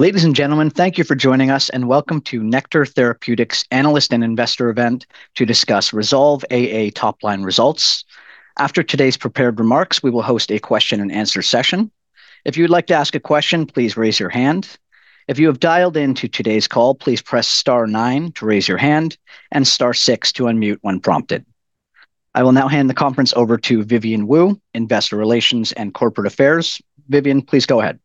Ladies and gentlemen, thank you for joining us, and welcome to Nektar Therapeutics' Analyst and Investor event to discuss REZOLVE-AA top-line results. After today's prepared remarks, we will host a question-and-answer session. If you'd like to ask a question, please raise your hand. If you have dialed into today's call, please press star nine to raise your hand and star six to unmute when prompted. I will now hand the conference over to Vivian Wu, Investor Relations and Corporate Affairs. Vivian, please go ahead.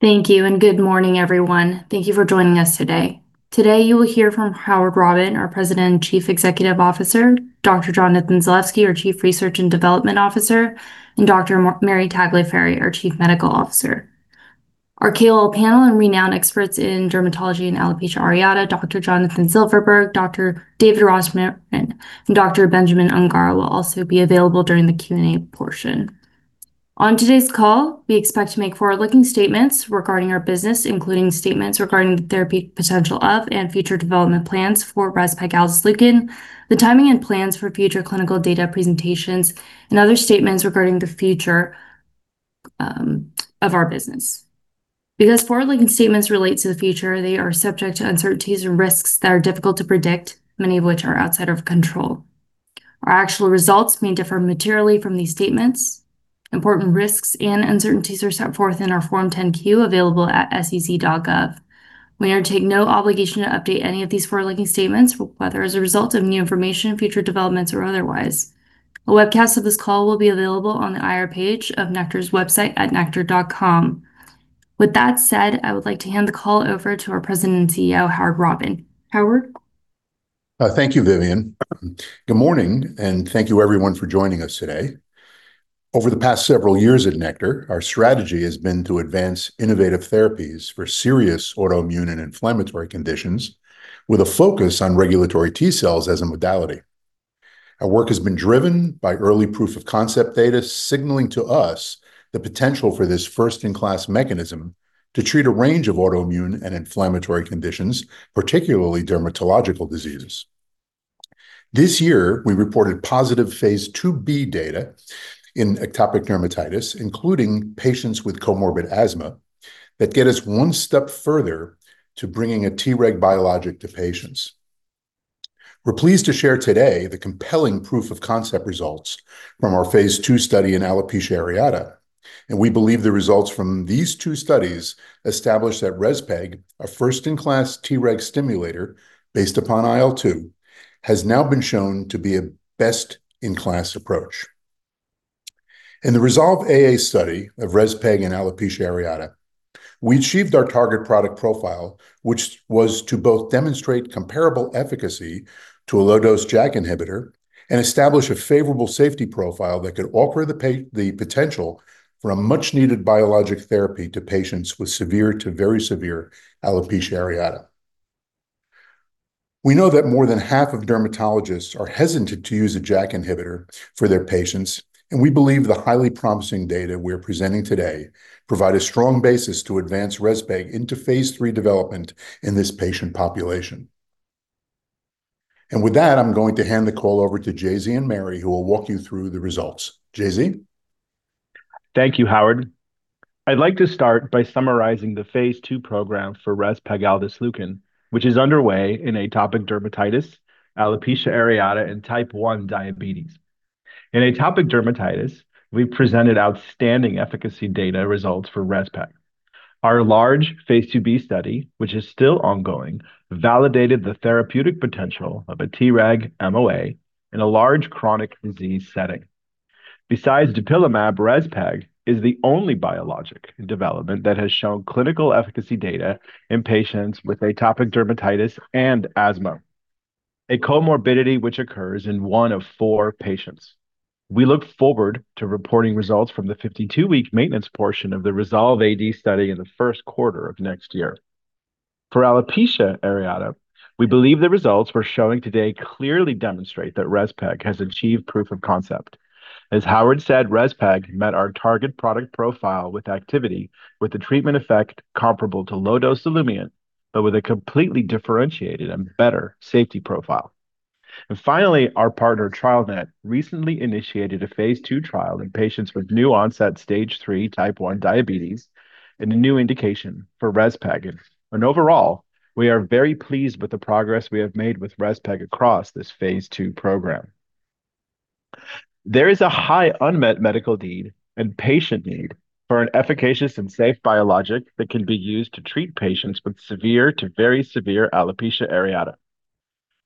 Thank you, and good morning, everyone. Thank you for joining us today. Today, you will hear from Howard Robin, our President and Chief Executive Officer, Dr. Jonathan Zalevsky, our Chief Research and Development Officer, and Dr. Mary Tagliaferri, our Chief Medical Officer. Our KOL panel and renowned experts in dermatology and alopecia areata, Dr. Jonathan Silverberg, Dr. David Rosmarin, and Dr. Benjamin Ungar, will also be available during the Q&A portion. On today's call, we expect to make forward-looking statements regarding our business, including statements regarding the therapeutic potential of and future development plans for rezpegaldesleukin, the timing and plans for future clinical data presentations, and other statements regarding the future of our business. Because forward-looking statements relate to the future, they are subject to uncertainties and risks that are difficult to predict, many of which are outside of control. Our actual results may differ materially from these statements. Important risks and uncertainties are set forth in our Form 10-Q available at sec.gov. We undertake no obligation to update any of these forward-looking statements, whether as a result of new information, future developments, or otherwise. A webcast of this call will be available on the IR page of Nektar's website at nektar.com. With that said, I would like to hand the call over to our President and CEO, Howard Robin. Howard? Thank you, Vivian. Good morning, and thank you, everyone, for joining us today. Over the past several years at Nektar, our strategy has been to advance innovative therapies for serious autoimmune and inflammatory conditions, with a focus on regulatory T cells as a modality. Our work has been driven by early proof-of-concept data signaling to us the potential for this first-in-class mechanism to treat a range of autoimmune and inflammatory conditions, particularly dermatological diseases. This year, we reported positive phase II-B data in atopic dermatitis, including patients with comorbid asthma, that get us one step further to bringing a Treg biologic to patients. We're pleased to share today the compelling proof-of-concept results from our phase II study in alopecia areata, and we believe the results from these two studies establish that REZPEG, a first-in-class Treg stimulator based upon IL-2, has now been shown to be a best-in-class approach. In the REZOLVE-AA study of REZPEG and alopecia areata, we achieved our target product profile, which was to both demonstrate comparable efficacy to a low-dose JAK inhibitor and establish a favorable safety profile that could offer the potential for a much-needed biologic therapy to patients with severe to very severe alopecia areata. We know that more than half of dermatologists are hesitant to use a JAK inhibitor for their patients, and we believe the highly promising data we're presenting today provide a strong basis to advance REZPEG into phase III development in this patient population. And with that, I'm going to hand the call over to J.Z. and Mary, who will walk you through the results. J.Z.. Thank you, Howard. I'd like to start by summarizing the phase II program for REZPEG, which is underway in atopic dermatitis, alopecia areata, and type 1 diabetes. In atopic dermatitis, we presented outstanding efficacy data results for REZPEG. Our large phase II-B study, which is still ongoing, validated the therapeutic potential of a Treg MOA in a large chronic disease setting. Besides dupilumab, REZPEG is the only biologic in development that has shown clinical efficacy data in patients with atopic dermatitis and asthma, a comorbidity which occurs in one of four patients. We look forward to reporting results from the 52-week maintenance portion of the REZOLVE-AD study in the first quarter of next year. For alopecia areata, we believe the results we're showing today clearly demonstrate that REZPEG has achieved proof-of-concept. As Howard said, REZPEG met our target product profile with activity, with a treatment effect comparable to low-dose Olumiant, but with a completely differentiated and better safety profile, and finally, our partner TrialNet recently initiated a phase II trial in patients with new-onset stage three Type 1 diabetes and a new indication for REZPEG, and overall, we are very pleased with the progress we have made with REZPEG across this phase II program. There is a high unmet medical need and patient need for an efficacious and safe biologic that can be used to treat patients with severe to very severe alopecia areata.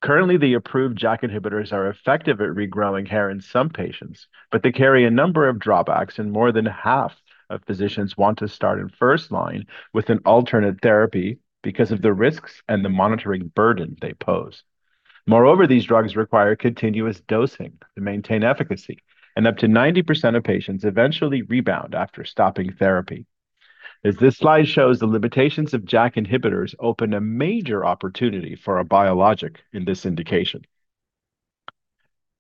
Currently, the approved JAK inhibitors are effective at regrowing hair in some patients, but they carry a number of drawbacks, and more than half of physicians want to start in first line with an alternate therapy because of the risks and the monitoring burden they pose. Moreover, these drugs require continuous dosing to maintain efficacy, and up to 90% of patients eventually rebound after stopping therapy. As this slide shows, the limitations of JAK inhibitors open a major opportunity for a biologic in this indication.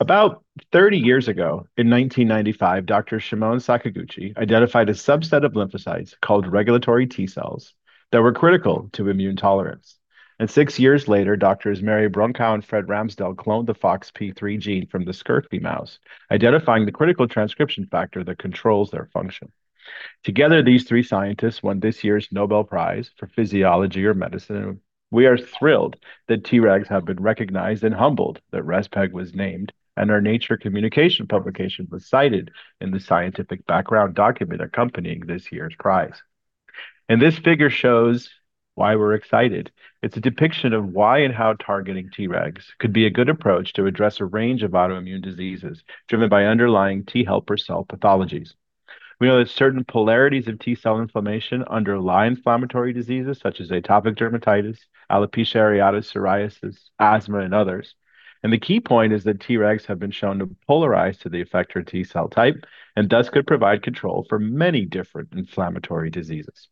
About 30 years ago, in 1995, Dr. Shimon Sakaguchi identified a subset of lymphocytes called regulatory T cells that were critical to immune tolerance. And six years later, doctors Mary Brunkow and Fred Ramsdell cloned the FOXP3 gene from the scurfy mouse, identifying the critical transcription factor that controls their function. Together, these three scientists won this year's Nobel Prize for Physiology or Medicine. We are thrilled that Tregs have been recognized and humbled that REZPEG was named, and our Nature Communications publication was cited in the scientific background document accompanying this year's prize. And this figure shows why we're excited. It's a depiction of why and how targeting Tregs could be a good approach to address a range of autoimmune diseases driven by underlying T helper cell pathologies. We know that certain polarities of T cell inflammation underlie inflammatory diseases such as atopic dermatitis, alopecia areata, psoriasis, asthma, and others. And the key point is that Tregs have been shown to polarize to the effector T cell type and thus could provide control for many different inflammatory diseases.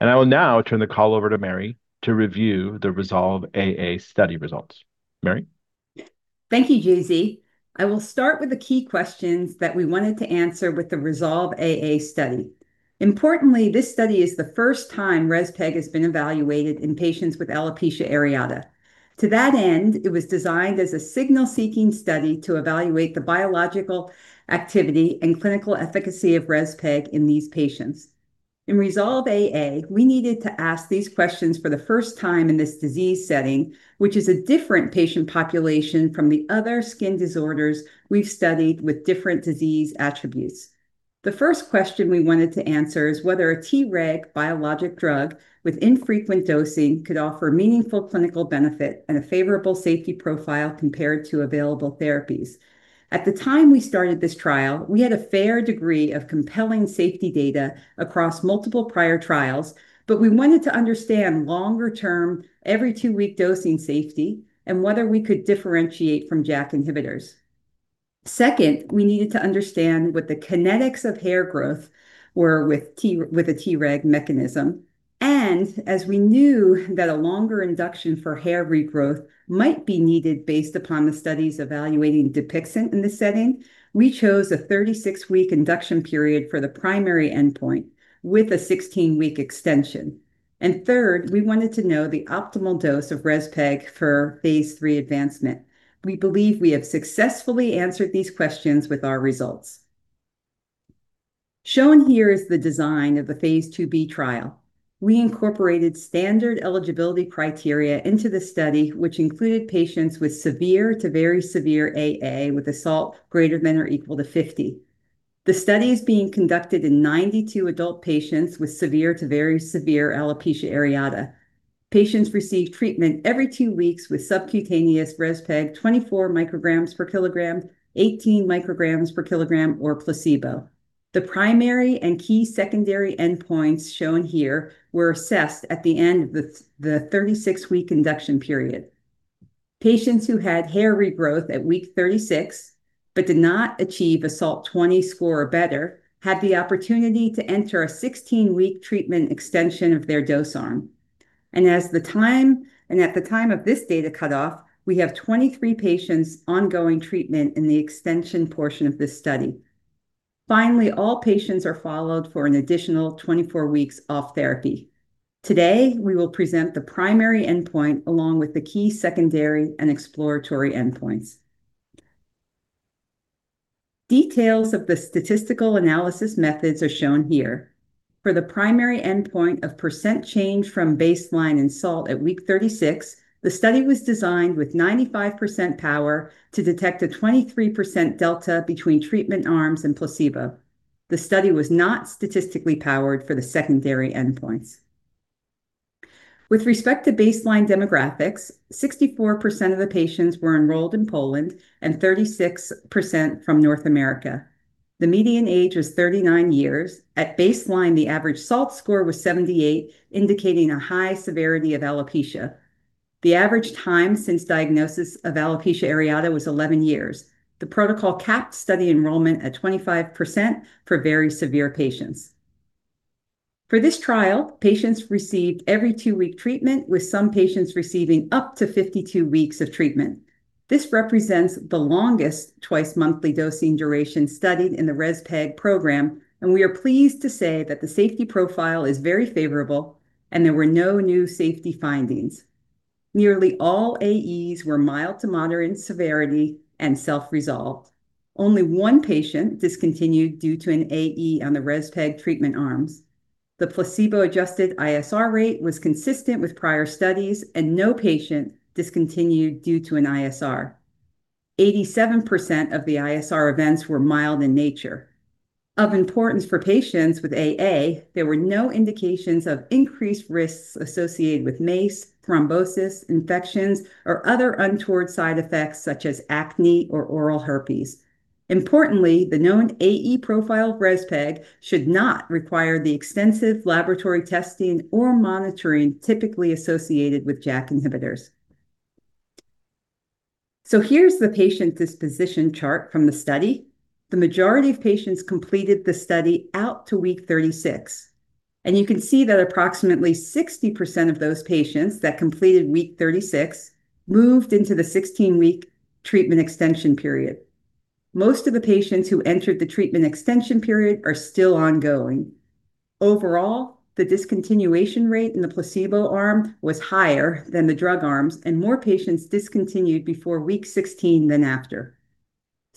And I will now turn the call over to Mary to review the REZOLVE-AA study results. Mary. Thank you, J.Z.. I will start with the key questions that we wanted to answer with the REZOLVE-AA study. Importantly, this study is the first time REZPEG has been evaluated in patients with alopecia areata. To that end, it was designed as a signal-seeking study to evaluate the biological activity and clinical efficacy of REZPEG in these patients. In REZOLVE-AA, we needed to ask these questions for the first time in this disease setting, which is a different patient population from the other skin disorders we've studied with different disease attributes. The first question we wanted to answer is whether a Treg biologic drug with infrequent dosing could offer meaningful clinical benefit and a favorable safety profile compared to available therapies. At the time we started this trial, we had a fair degree of compelling safety data across multiple prior trials, but we wanted to understand longer-term every two-week dosing safety and whether we could differentiate from JAK inhibitors. Second, we needed to understand what the kinetics of hair growth were with a Treg mechanism. As we knew that a longer induction for hair regrowth might be needed based upon the studies evaluating DUPIXENT in this setting, we chose a 36-week induction period for the primary endpoint with a 16-week extension. Third, we wanted to know the optimal dose of REZPEG for phase III advancement. We believe we have successfully answered these questions with our results. Shown here is the design of the phase II-B trial. We incorporated standard eligibility criteria into the study, which included patients with severe to very severe AA with a SALT greater than or equal to 50. The study is being conducted in 92 adult patients with severe to very severe alopecia areata. Patients receive treatment every two weeks with subcutaneous REZPEG 24 mcg per kilogram, 18 mcg per kilogram, or placebo. The primary and key secondary endpoints shown here were assessed at the end of the 36-week induction period. Patients who had hair regrowth at week 36 but did not achieve a SALT 20 score or better had the opportunity to enter a 16-week treatment extension of their dose arm, and at the time of this data cutoff, we have 23 patients ongoing treatment in the extension portion of this study. Finally, all patients are followed for an additional 24 weeks off therapy. Today, we will present the primary endpoint along with the key secondary and exploratory endpoints. Details of the statistical analysis methods are shown here. For the primary endpoint of percent change from baseline in SALT at week 36, the study was designed with 95% power to detect a 23% delta between treatment arms and placebo. The study was not statistically powered for the secondary endpoints. With respect to baseline demographics, 64% of the patients were enrolled in Poland and 36% from North America. The median age was 39 years. At baseline, the average SALT score was 78, indicating a high severity of alopecia. The average time since diagnosis of alopecia areata was 11 years. The protocol capped study enrollment at 25% for very severe patients. For this trial, patients received every two-week treatment, with some patients receiving up to 52 weeks of treatment. This represents the longest twice-monthly dosing duration studied in the REZPEG program, and we are pleased to say that the safety profile is very favorable and there were no new safety findings. Nearly all AEs were mild to moderate in severity and self-resolved. Only one patient discontinued due to an AE on the REZPEG treatment arms. The placebo-adjusted ISR rate was consistent with prior studies, and no patient discontinued due to an ISR. 87% of the ISR events were mild in nature. Of importance for patients with AA, there were no indications of increased risks associated with MACE, thrombosis, infections, or other untoward side effects such as acne or oral herpes. Importantly, the known AE profile of REZPEG should not require the extensive laboratory testing or monitoring typically associated with JAK inhibitors, so here's the patient disposition chart from the study. The majority of patients completed the study out to week 36. You can see that approximately 60% of those patients that completed week 36 moved into the 16-week treatment extension period. Most of the patients who entered the treatment extension period are still ongoing. Overall, the discontinuation rate in the placebo arm was higher than the drug arms, and more patients discontinued before week 16 than after.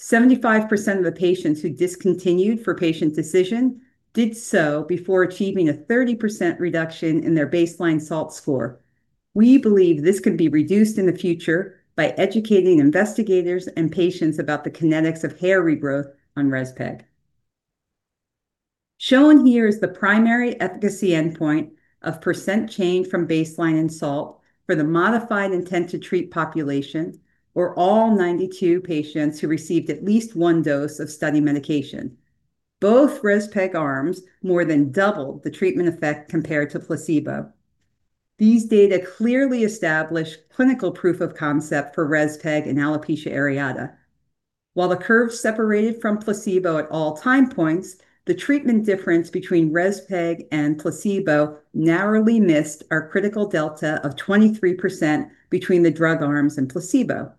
75% of the patients who discontinued for patient decision did so before achieving a 30% reduction in their baseline SALT score. We believe this could be reduced in the future by educating investigators and patients about the kinetics of hair regrowth on REZPEG. Shown here is the primary efficacy endpoint of percent change from baseline in SALT for the modified intent-to-treat population, or all 92 patients who received at least one dose of study medication. Both REZPEG arms more than doubled the treatment effect compared to placebo. These data clearly establish clinical proof-of-concept for REZPEG in alopecia areata. While the curve separated from placebo at all time points, the treatment difference between REZPEG and placebo narrowly missed our critical delta of 23% between the drug arms and placebo.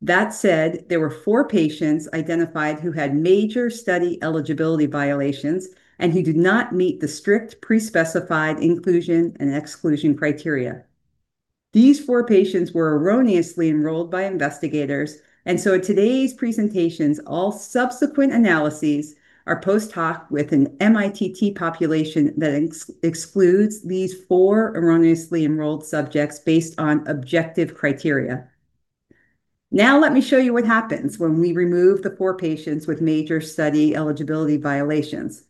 That said, there were four patients identified who had major study eligibility violations and who did not meet the strict pre-specified inclusion and exclusion criteria. These four patients were erroneously enrolled by investigators, and so today's presentations, all subsequent analyses, are post-hoc with an mITT population that excludes these four erroneously enrolled subjects based on objective criteria. Now let me show you what happens when we remove the four patients with major study eligibility violations.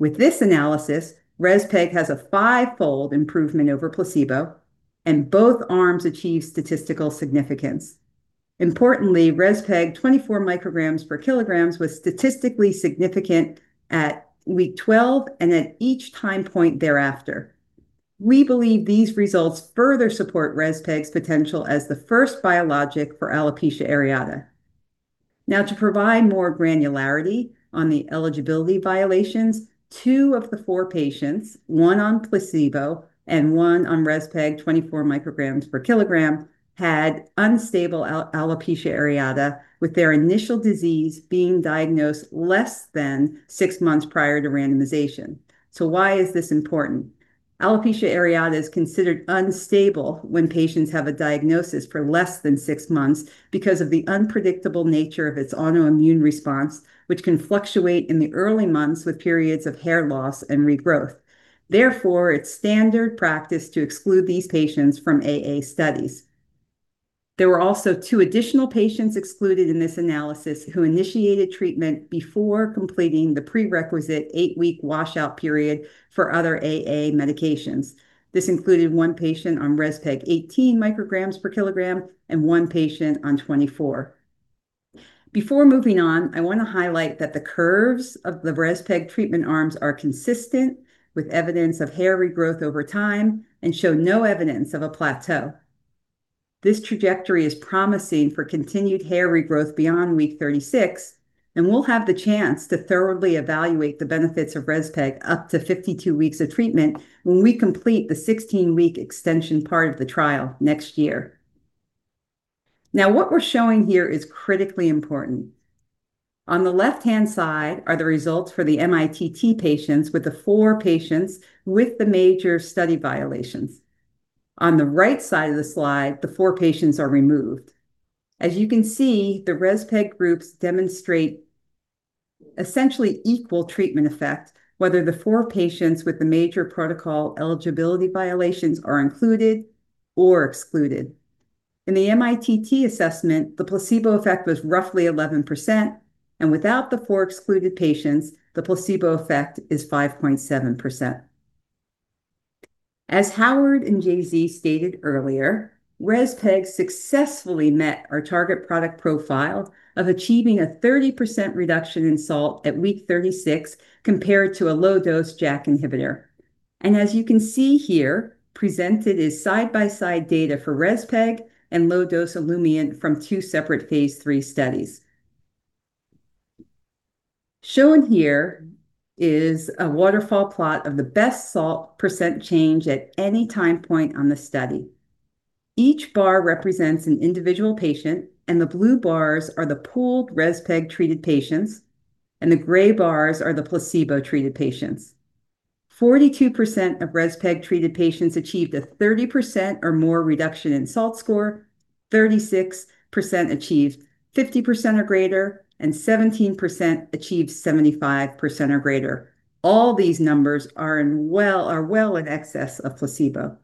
With this analysis, REZPEG has a fivefold improvement over placebo, and both arms achieve statistical significance. Importantly, REZPEG 24 mcg per kilogram was statistically significant at week 12 and at each time point thereafter. We believe these results further support REZPEG's potential as the first biologic for alopecia areata. Now, to provide more granularity on the eligibility violations, two of the four patients, one on placebo and one on REZPEG 24 mcg per kilogram, had unstable alopecia areata with their initial disease being diagnosed less than six months prior to randomization. So why is this important? Alopecia areata is considered unstable when patients have a diagnosis for less than six months because of the unpredictable nature of its autoimmune response, which can fluctuate in the early months with periods of hair loss and regrowth. Therefore, it's standard practice to exclude these patients from AA studies. There were also two additional patients excluded in this analysis who initiated treatment before completing the prerequisite eight-week washout period for other AA medications. This included one patient on REZPEG 18 mcg per kilogram and one patient on 24. Before moving on, I want to highlight that the curves of the REZPEG treatment arms are consistent with evidence of hair regrowth over time and show no evidence of a plateau. This trajectory is promising for continued hair regrowth beyond week 36, and we'll have the chance to thoroughly evaluate the benefits of REZPEG up to 52 weeks of treatment when we complete the 16-week extension part of the trial next year. Now, what we're showing here is critically important. On the left-hand side are the results for the mITT patients with the four patients with the major study violations. On the right side of the slide, the four patients are removed. As you can see, the REZPEG groups demonstrate essentially equal treatment effect, whether the four patients with the major protocol eligibility violations are included or excluded. In the MITT assessment, the placebo effect was roughly 11%, and without the four excluded patients, the placebo effect is 5.7%. As Howard and J.Z. stated earlier, REZPEG successfully met our target product profile of achieving a 30% reduction in SALT at week 36 compared to a low-dose JAK inhibitor. And as you can see here, presented is side-by-side data for REZPEG and low-dose Olumiant from two separate phase III studies. Shown here is a waterfall plot of the best SALT percent change at any time point on the study. Each bar represents an individual patient, and the blue bars are the pooled REZPEG-treated patients, and the gray bars are the placebo-treated patients. 42% of REZPEG-treated patients achieved a 30% or more reduction in SALT score, 36% achieved 50% or greater, and 17% achieved 75% or greater. All these numbers are well in excess of placebo.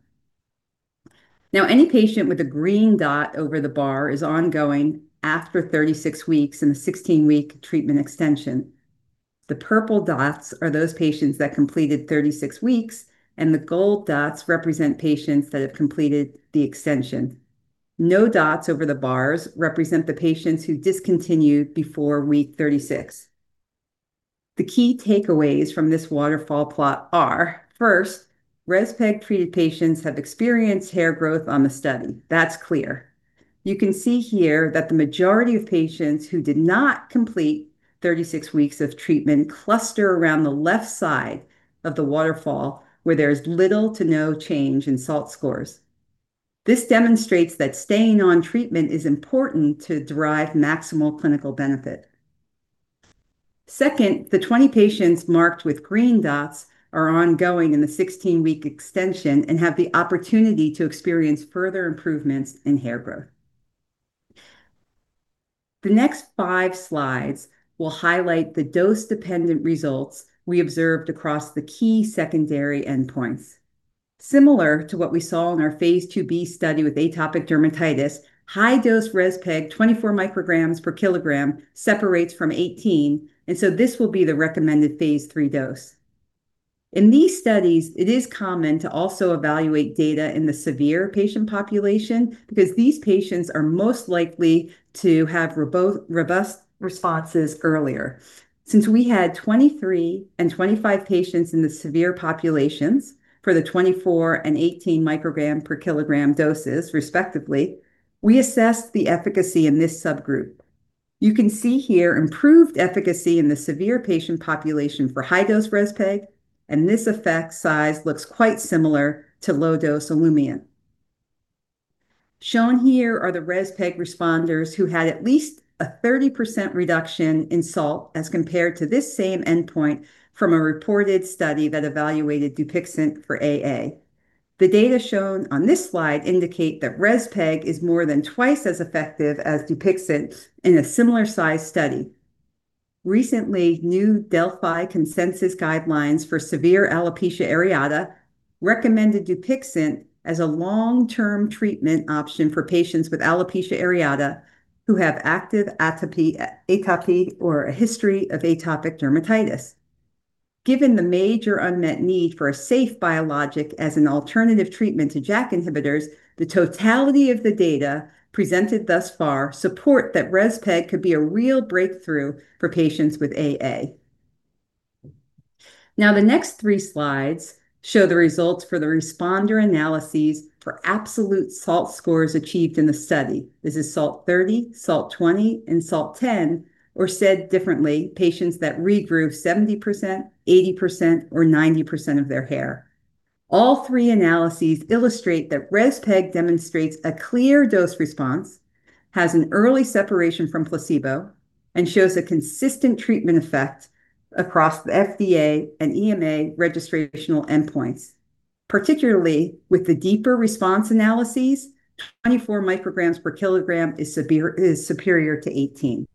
Now, any patient with a green dot over the bar is ongoing after 36 weeks in the 16-week treatment extension. The purple dots are those patients that completed 36 weeks, and the gold dots represent patients that have completed the extension. No dots over the bars represent the patients who discontinued before week 36. The key takeaways from this waterfall plot are, first, REZPEG-treated patients have experienced hair growth on the study. That's clear. You can see here that the majority of patients who did not complete 36 weeks of treatment cluster around the left side of the waterfall, where there is little to no change in SALT scores. This demonstrates that staying on treatment is important to derive maximal clinical benefit. Second, the 20 patients marked with green dots are ongoing in the 16-week extension and have the opportunity to experience further improvements in hair growth. The next five slides will highlight the dose-dependent results we observed across the key secondary endpoints. Similar to what we saw in our phase II-B study with atopic dermatitis, high-dose REZPEG 24 mcg per kilogram separates from 18, and so this will be the recommended phase III dose. In these studies, it is common to also evaluate data in the severe patient population because these patients are most likely to have robust responses earlier. Since we had 23 and 25 patients in the severe populations for the 24 and 18 microgram per kilogram doses, respectively, we assessed the efficacy in this subgroup. You can see here improved efficacy in the severe patient population for high-dose REZPEG, and this effect size looks quite similar to low-dose Olumiant. Shown here are the REZPEG responders who had at least a 30% reduction in SALT as compared to this same endpoint from a reported study that evaluated DUPIXENT for AA. The data shown on this slide indicate that REZPEG is more than twice as effective as DUPIXENT in a similar size study. Recently, new Delphi consensus guidelines for severe alopecia areata recommended DUPIXENT as a long-term treatment option for patients with alopecia areata who have active atopy or a history of atopic dermatitis. Given the major unmet need for a safe biologic as an alternative treatment to JAK inhibitors, the totality of the data presented thus far supports that REZPEG could be a real breakthrough for patients with AA. Now, the next three slides show the results for the responder analyses for absolute SALT scores achieved in the study. This is SALT 30, SALT 20, and SALT 10, or said differently, patients that regrew 70%, 80%, or 90% of their hair. All three analyses illustrate that REZPEG demonstrates a clear dose response, has an early separation from placebo, and shows a consistent treatment effect across the FDA and EMA registrational endpoints, particularly with the deeper response analyses, 24 mcg per kilogram is superior to 18.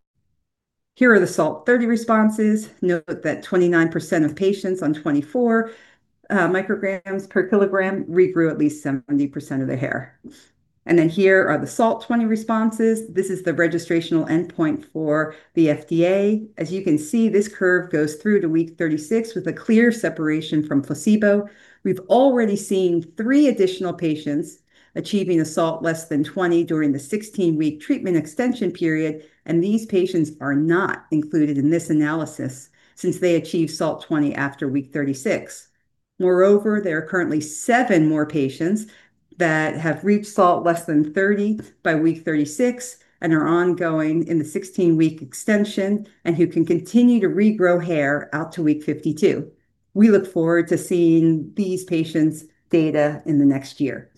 Here are the SALT 30 responses. Note that 29% of patients on 24 micrograms per kilogram regrew at least 70% of their hair. And then here are the SALT 20 responses. This is the registrational endpoint for the FDA. As you can see, this curve goes through to week 36 with a clear separation from placebo. We've already seen three additional patients achieving a SALT less than 20 during the 16-week treatment extension period, and these patients are not included in this analysis since they achieved SALT 20 after week 36. Moreover, there are currently seven more patients that have reached SALT less than 30 by week 36 and are ongoing in the 16-week extension and who can continue to regrow hair out to week 52. We look forward to seeing these patients' data in the next year.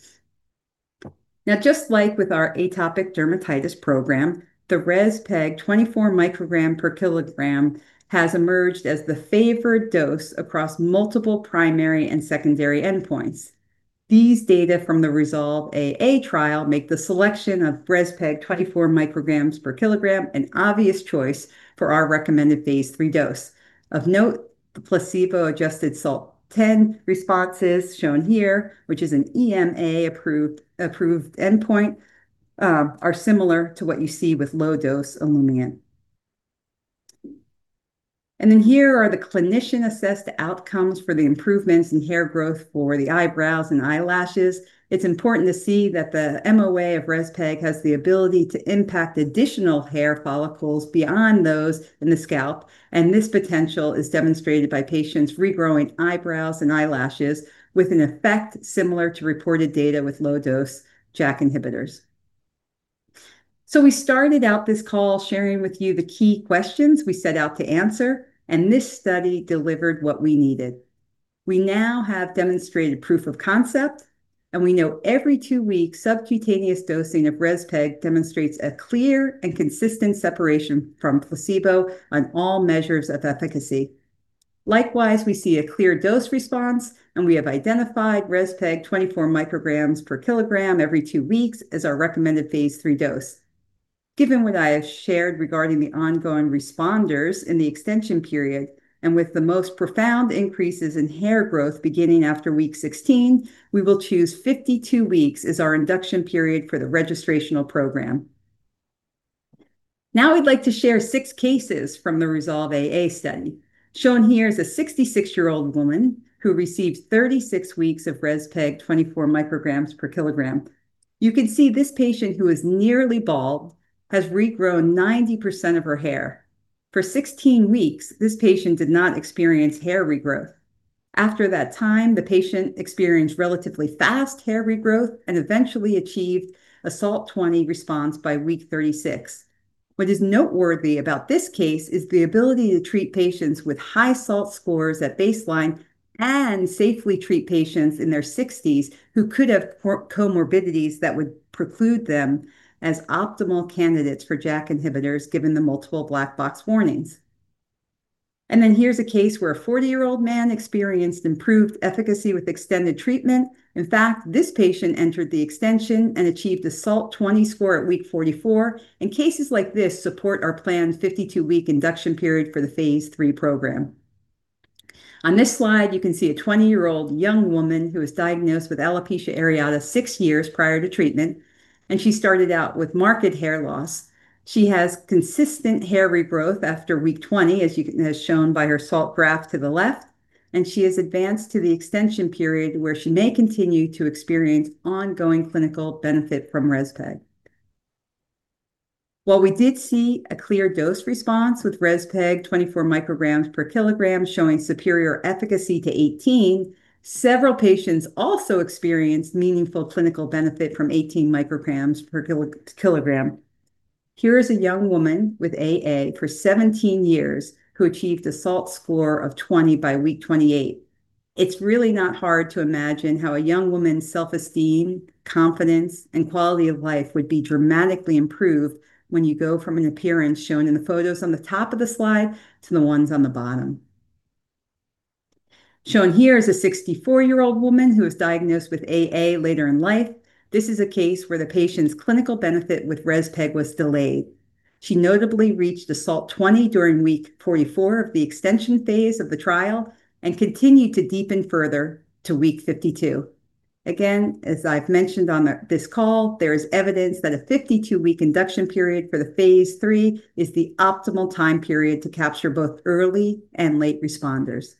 Now, just like with our atopic dermatitis program, the REZPEG 24 mcg per kilogram has emerged as the favored dose across multiple primary and secondary endpoints. These data from the REZOLVE-AA trial make the selection of REZPEG 24 micrograms per kilogram an obvious choice for our recommended phase III dose. Of note, the placebo-adjusted SALT 10 responses shown here, which is an EMA-approved endpoint, are similar to what you see with low-dose Olumiant. And then here are the clinician-assessed outcomes for the improvements in hair growth for the eyebrows and eyelashes. It's important to see that the MOA of REZPEG has the ability to impact additional hair follicles beyond those in the scalp, and this potential is demonstrated by patients regrowing eyebrows and eyelashes with an effect similar to reported data with low-dose JAK inhibitors. So we started out this call sharing with you the key questions we set out to answer, and this study delivered what we needed. We now have demonstrated proof of concept, and we know every two weeks subcutaneous dosing of REZPEG demonstrates a clear and consistent separation from placebo on all measures of efficacy. Likewise, we see a clear dose response, and we have identified REZPEG 24 mcg per kilogram every two weeks as our recommended phase III dose. Given what I have shared regarding the ongoing responders in the extension period and with the most profound increases in hair growth beginning after week 16, we will choose 52 weeks as our induction period for the registrational program. Now, I'd like to share six cases from the REZOLVE-AA study. Shown here is a 66-year-old woman who received 36 weeks of REZPEG 24 mcg per kilogram. You can see this patient who is nearly bald has regrown 90% of her hair. For 16 weeks, this patient did not experience hair regrowth. After that time, the patient experienced relatively fast hair regrowth and eventually achieved a SALT 20 response by week 36. What is noteworthy about this case is the ability to treat patients with high SALT scores at baseline and safely treat patients in their 60s who could have comorbidities that would preclude them as optimal candidates for JAK inhibitors given the multiple black box warnings. And then here's a case where a 40-year-old man experienced improved efficacy with extended treatment. In fact, this patient entered the extension and achieved a SALT 20 score at week 44, and cases like this support our planned 52-week induction period for the phase III program. On this slide, you can see a 20-year-old young woman who was diagnosed with alopecia areata six years prior to treatment, and she started out with marked hair loss. She has consistent hair regrowth after week 20, as shown by her SALT graph to the left, and she has advanced to the extension period where she may continue to experience ongoing clinical benefit from REZPEG. While we did see a clear dose response with REZPEG 24 mcg per kilogram showing superior efficacy to 18, several patients also experienced meaningful clinical benefit from 18 mcg per kilogram. Here is a young woman with AA for 17 years who achieved a SALT score of 20 by week 28. It's really not hard to imagine how a young woman's self-esteem, confidence, and quality of life would be dramatically improved when you go from an appearance shown in the photos on the top of the slide to the ones on the bottom. Shown here is a 64-year-old woman who was diagnosed with AA later in life. This is a case where the patient's clinical benefit with REZPEG was delayed. She notably reached a SALT 20 during week 44 of the extension phase of the trial and continued to deepen further to week 52. Again, as I've mentioned on this call, there is evidence that a 52-week induction period for the phase III is the optimal time period to capture both early and late responders.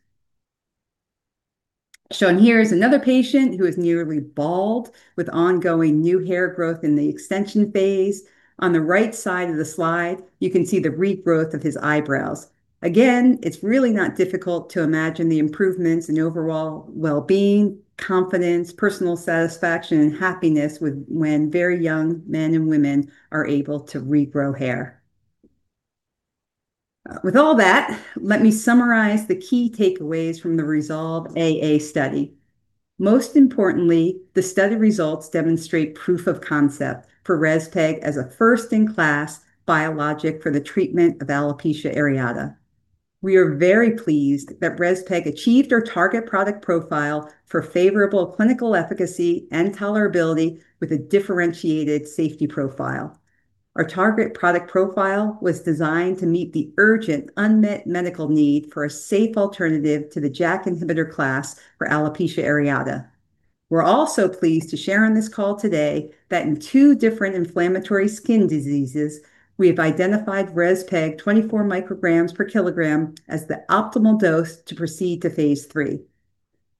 Shown here is another patient who is nearly bald with ongoing new hair growth in the extension phase. On the right side of the slide, you can see the regrowth of his eyebrows. Again, it's really not difficult to imagine the improvements in overall well-being, confidence, personal satisfaction, and happiness when very young men and women are able to regrow hair. With all that, let me summarize the key takeaways from the REZOLVE-AA study. Most importantly, the study results demonstrate proof of concept for REZPEG as a first-in-class biologic for the treatment of alopecia areata. We are very pleased that REZPEG achieved our target product profile for favorable clinical efficacy and tolerability with a differentiated safety profile. Our target product profile was designed to meet the urgent unmet medical need for a safe alternative to the JAK inhibitor class for alopecia areata. We're also pleased to share on this call today that in two different inflammatory skin diseases, we have identified REZPEG 24 mcg per kilogram as the optimal dose to proceed to phase III.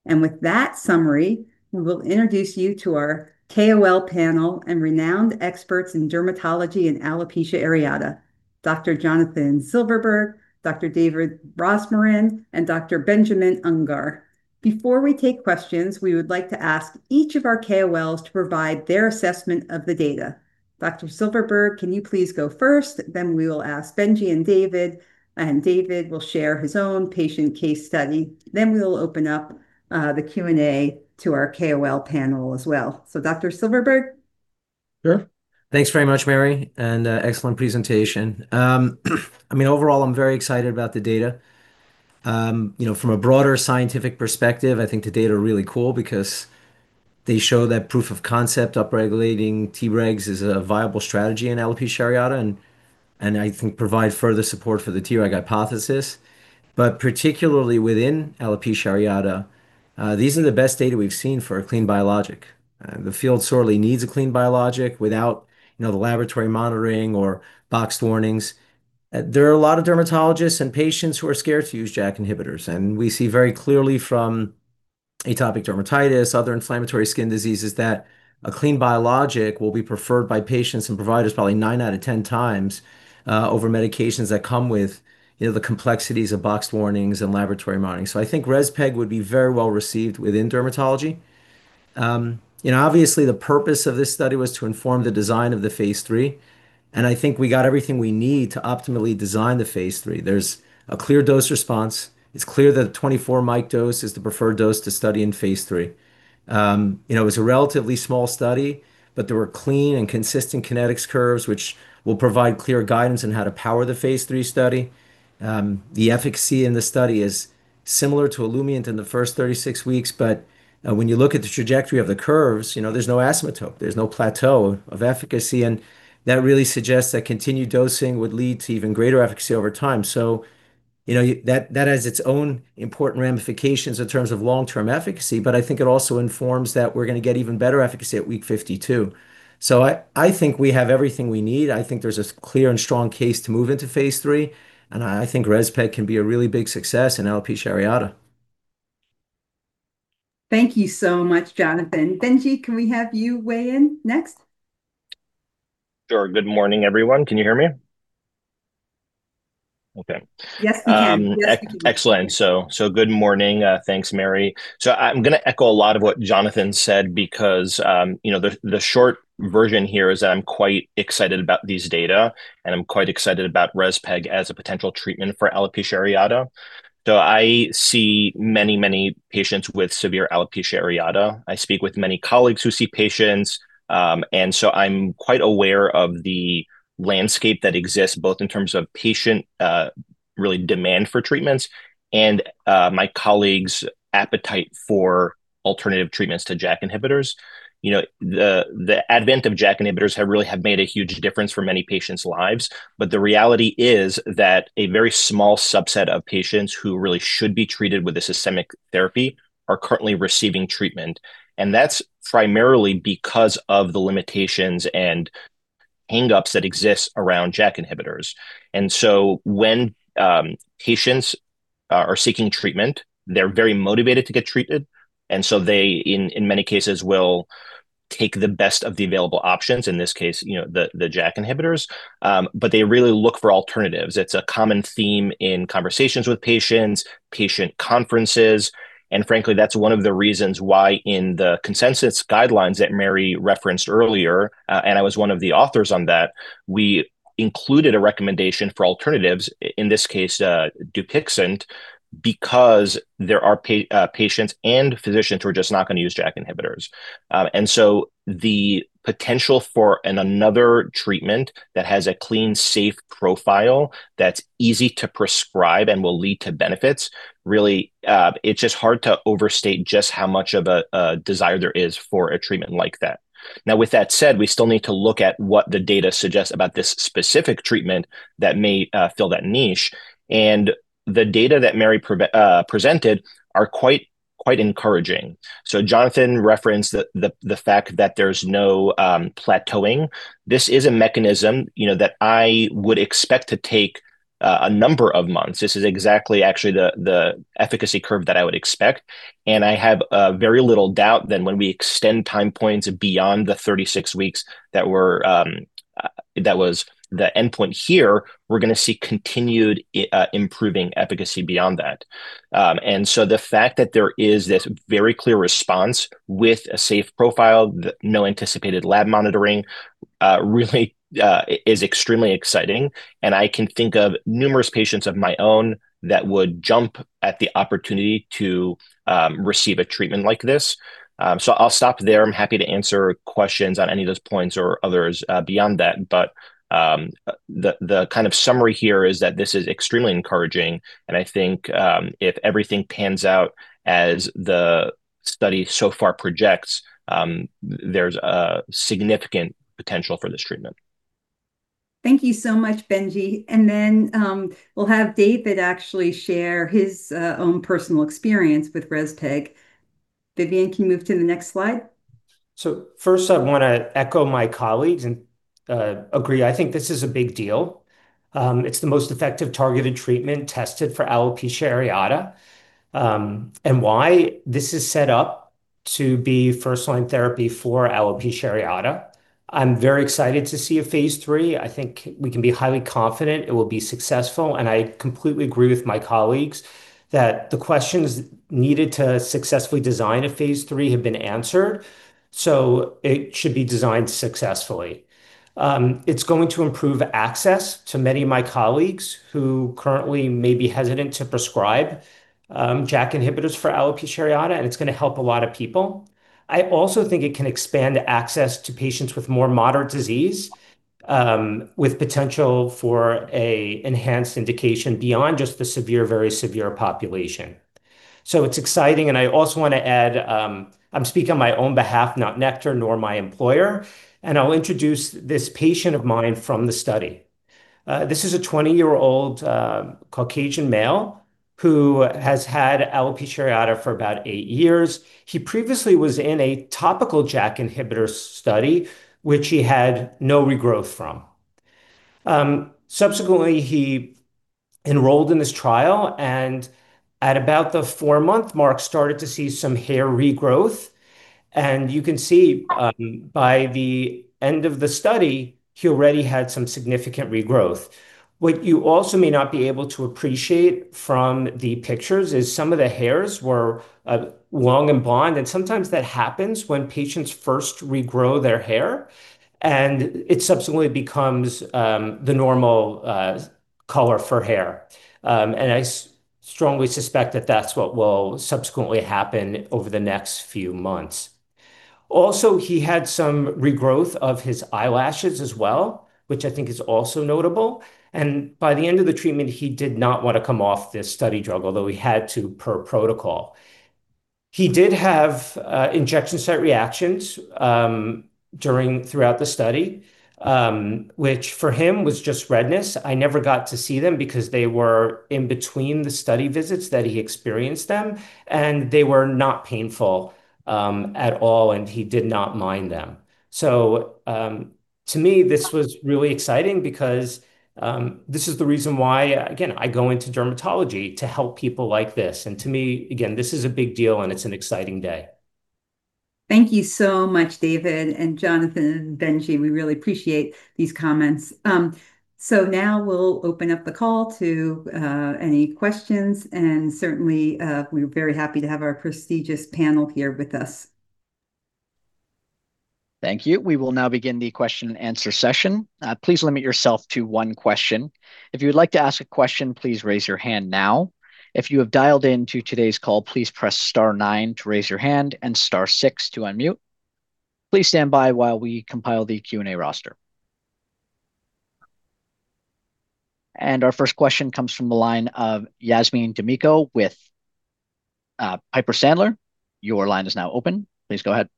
And with that summary, we will introduce you to our KOL panel and renowned experts in dermatology and alopecia areata, Dr. Jonathan Silverberg, Dr. David Rosmarin, and Dr. Benjamin Ungar. Before we take questions, we would like to ask each of our KOLs to provide their assessment of the data. Dr. Silverberg, can you please go first? Then we will ask Benji and David, and David will share his own patient case study. Then we'll open up the Q&A to our KOL panel as well. So, Dr. Silverberg? Sure. Thanks very much, Mary, and excellent presentation. I mean, overall, I'm very excited about the data. From a broader scientific perspective, I think the data are really cool because they show that proof of concept upregulating Tregs is a viable strategy in alopecia areata, and I think provide further support for the Treg hypothesis. But particularly within alopecia areata, these are the best data we've seen for a clean biologic. The field sorely needs a clean biologic without the laboratory monitoring or boxed warnings. There are a lot of dermatologists and patients who are scared to use JAK inhibitors, and we see very clearly from atopic dermatitis, other inflammatory skin diseases that a clean biologic will be preferred by patients and providers probably nine out of ten times over medications that come with the complexities of boxed warnings and laboratory monitoring. So I think REZPEG would be very well received within dermatology. Obviously, the purpose of this study was to inform the design of the phase III, and I think we got everything we need to optimally design the phase III. There's a clear dose response. It's clear that the 24 mcg dose is the preferred dose to study in phase III. It was a relatively small study, but there were clean and consistent kinetics curves, which will provide clear guidance on how to power the phase III study. The efficacy in the study is similar to Olumiant in the first 36 weeks, but when you look at the trajectory of the curves, there's no asymmetry. There's no plateau of efficacy, and that really suggests that continued dosing would lead to even greater efficacy over time. So that has its own important ramifications in terms of long-term efficacy, but I think it also informs that we're going to get even better efficacy at week 52. So I think we have everything we need. I think there's a clear and strong case to move into phase III, and I think REZPEG can be a really big success in alopecia areata. Thank you so much, Jonathan. Benji, can we have you weigh in next? Sure. Good morning, everyone. Can you hear me? Okay. Yes, we can. Excellent. So good morning. Thanks, Mary. So I'm going to echo a lot of what Jonathan said because the short version here is that I'm quite excited about these data, and I'm quite excited about REZPEG as a potential treatment for alopecia areata. So I see many, many patients with severe alopecia areata. I speak with many colleagues who see patients, and so I'm quite aware of the landscape that exists both in terms of patient really demand for treatments and my colleagues' appetite for alternative treatments to JAK inhibitors. The advent of JAK inhibitors really has made a huge difference for many patients' lives, but the reality is that a very small subset of patients who really should be treated with the systemic therapy are currently receiving treatment, and that's primarily because of the limitations and hang-ups that exist around JAK inhibitors. And so when patients are seeking treatment, they're very motivated to get treated, and so they, in many cases, will take the best of the available options, in this case, the JAK inhibitors, but they really look for alternatives. It's a common theme in conversations with patients, patient conferences, and frankly, that's one of the reasons why in the consensus guidelines that Mary referenced earlier, and I was one of the authors on that, we included a recommendation for alternatives, in this case, DUPIXENT, because there are patients and physicians who are just not going to use JAK inhibitors. And so the potential for another treatment that has a clean, safe profile that's easy to prescribe and will lead to benefits, really, it's just hard to overstate just how much of a desire there is for a treatment like that. Now, with that said, we still need to look at what the data suggests about this specific treatment that may fill that niche, and the data that Mary presented are quite encouraging, so Jonathan referenced the fact that there's no plateauing. This is a mechanism that I would expect to take a number of months. This is exactly actually the efficacy curve that I would expect, and I have very little doubt that when we extend time points beyond the 36 weeks that was the endpoint here, we're going to see continued improving efficacy beyond that, and so the fact that there is this very clear response with a safe profile, no anticipated lab monitoring, really is extremely exciting, and I can think of numerous patients of my own that would jump at the opportunity to receive a treatment like this, so I'll stop there. I'm happy to answer questions on any of those points or others beyond that, but the kind of summary here is that this is extremely encouraging, and I think if everything pans out as the study so far projects, there's a significant potential for this treatment. Thank you so much, Benji. And then we'll have David actually share his own personal experience with REZPEG. Vivian, can you move to the next slide? So first, I want to echo my colleagues and agree. I think this is a big deal. It's the most effective targeted treatment tested for alopecia areata. And why? This is set up to be first-line therapy for alopecia areata. I'm very excited to see a phase III. I think we can be highly confident it will be successful, and I completely agree with my colleagues that the questions needed to successfully design a phase III have been answered, so it should be designed successfully. It's going to improve access to many of my colleagues who currently may be hesitant to prescribe JAK inhibitors for alopecia areata, and it's going to help a lot of people. I also think it can expand access to patients with more moderate disease with potential for an enhanced indication beyond just the severe, very severe population. So it's exciting, and I also want to add, I'm speaking on my own behalf, not Nektar nor my employer, and I'll introduce this patient of mine from the study. This is a 20-year-old Caucasian male who has had alopecia areata for about eight years. He previously was in a topical JAK inhibitor study, which he had no regrowth from. Subsequently, he enrolled in this trial, and at about the four-month mark, started to see some hair regrowth, and you can see by the end of the study, he already had some significant regrowth. What you also may not be able to appreciate from the pictures is some of the hairs were long and blond, and sometimes that happens when patients first regrow their hair, and it subsequently becomes the normal color for hair. And I strongly suspect that that's what will subsequently happen over the next few months. Also, he had some regrowth of his eyelashes as well, which I think is also notable. And by the end of the treatment, he did not want to come off this study drug, although he had to per protocol. He did have injection site reactions throughout the study, which for him was just redness. I never got to see them because they were in between the study visits that he experienced them, and they were not painful at all, and he did not mind them, so to me, this was really exciting because this is the reason why, again, I go into dermatology to help people like this, and to me, again, this is a big deal, and it's an exciting day. Thank you so much, David and Jonathan and Benji. We really appreciate these comments, so now we'll open up the call to any questions, and certainly, we're very happy to have our prestigious panel here with us. Thank you. We will now begin the question-and-answer session. Please limit yourself to one question. If you would like to ask a question, please raise your hand now. If you have dialed into today's call, please press star nine to raise your hand and star six to unmute. Please stand by while we compile the Q&A roster. And our first question comes from the line of Yasmeen Rahimi with Piper Sandler. Your line is now open. Please go ahead.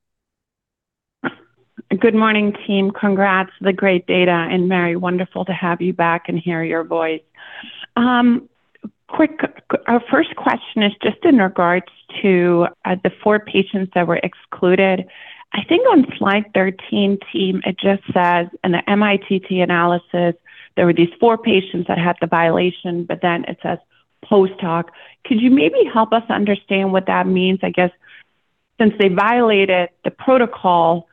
Good morning, team. Congrats on the great data, and Mary, wonderful to have you back and hear your voice. Our first question is just in regards to the four patients that were excluded. I think on slide 13, team, it just says in the mITT analysis, there were these four patients that had the violation, but then it says post-hoc. Could you maybe help us understand what that means? I guess since they violated the protocol,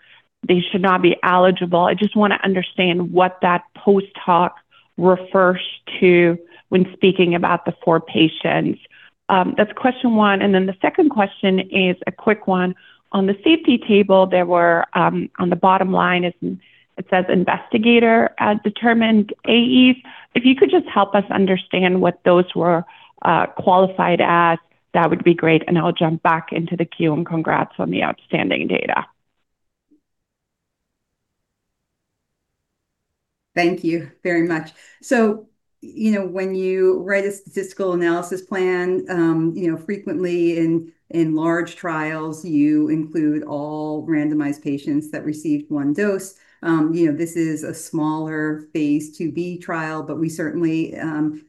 they should not be eligible. I just want to understand what that post-hoc refers to when speaking about the four patients. That's question one. And then the second question is a quick one. On the safety table, there were on the bottom line, it says investigator determined AEs. If you could just help us understand what those were qualified as, that would be great, and I'll jump back into the queue and congrats on the outstanding data. Thank you very much. So when you write a statistical analysis plan, frequently in large trials, you include all randomized patients that received one dose. This is a smaller phase II-B trial, but we certainly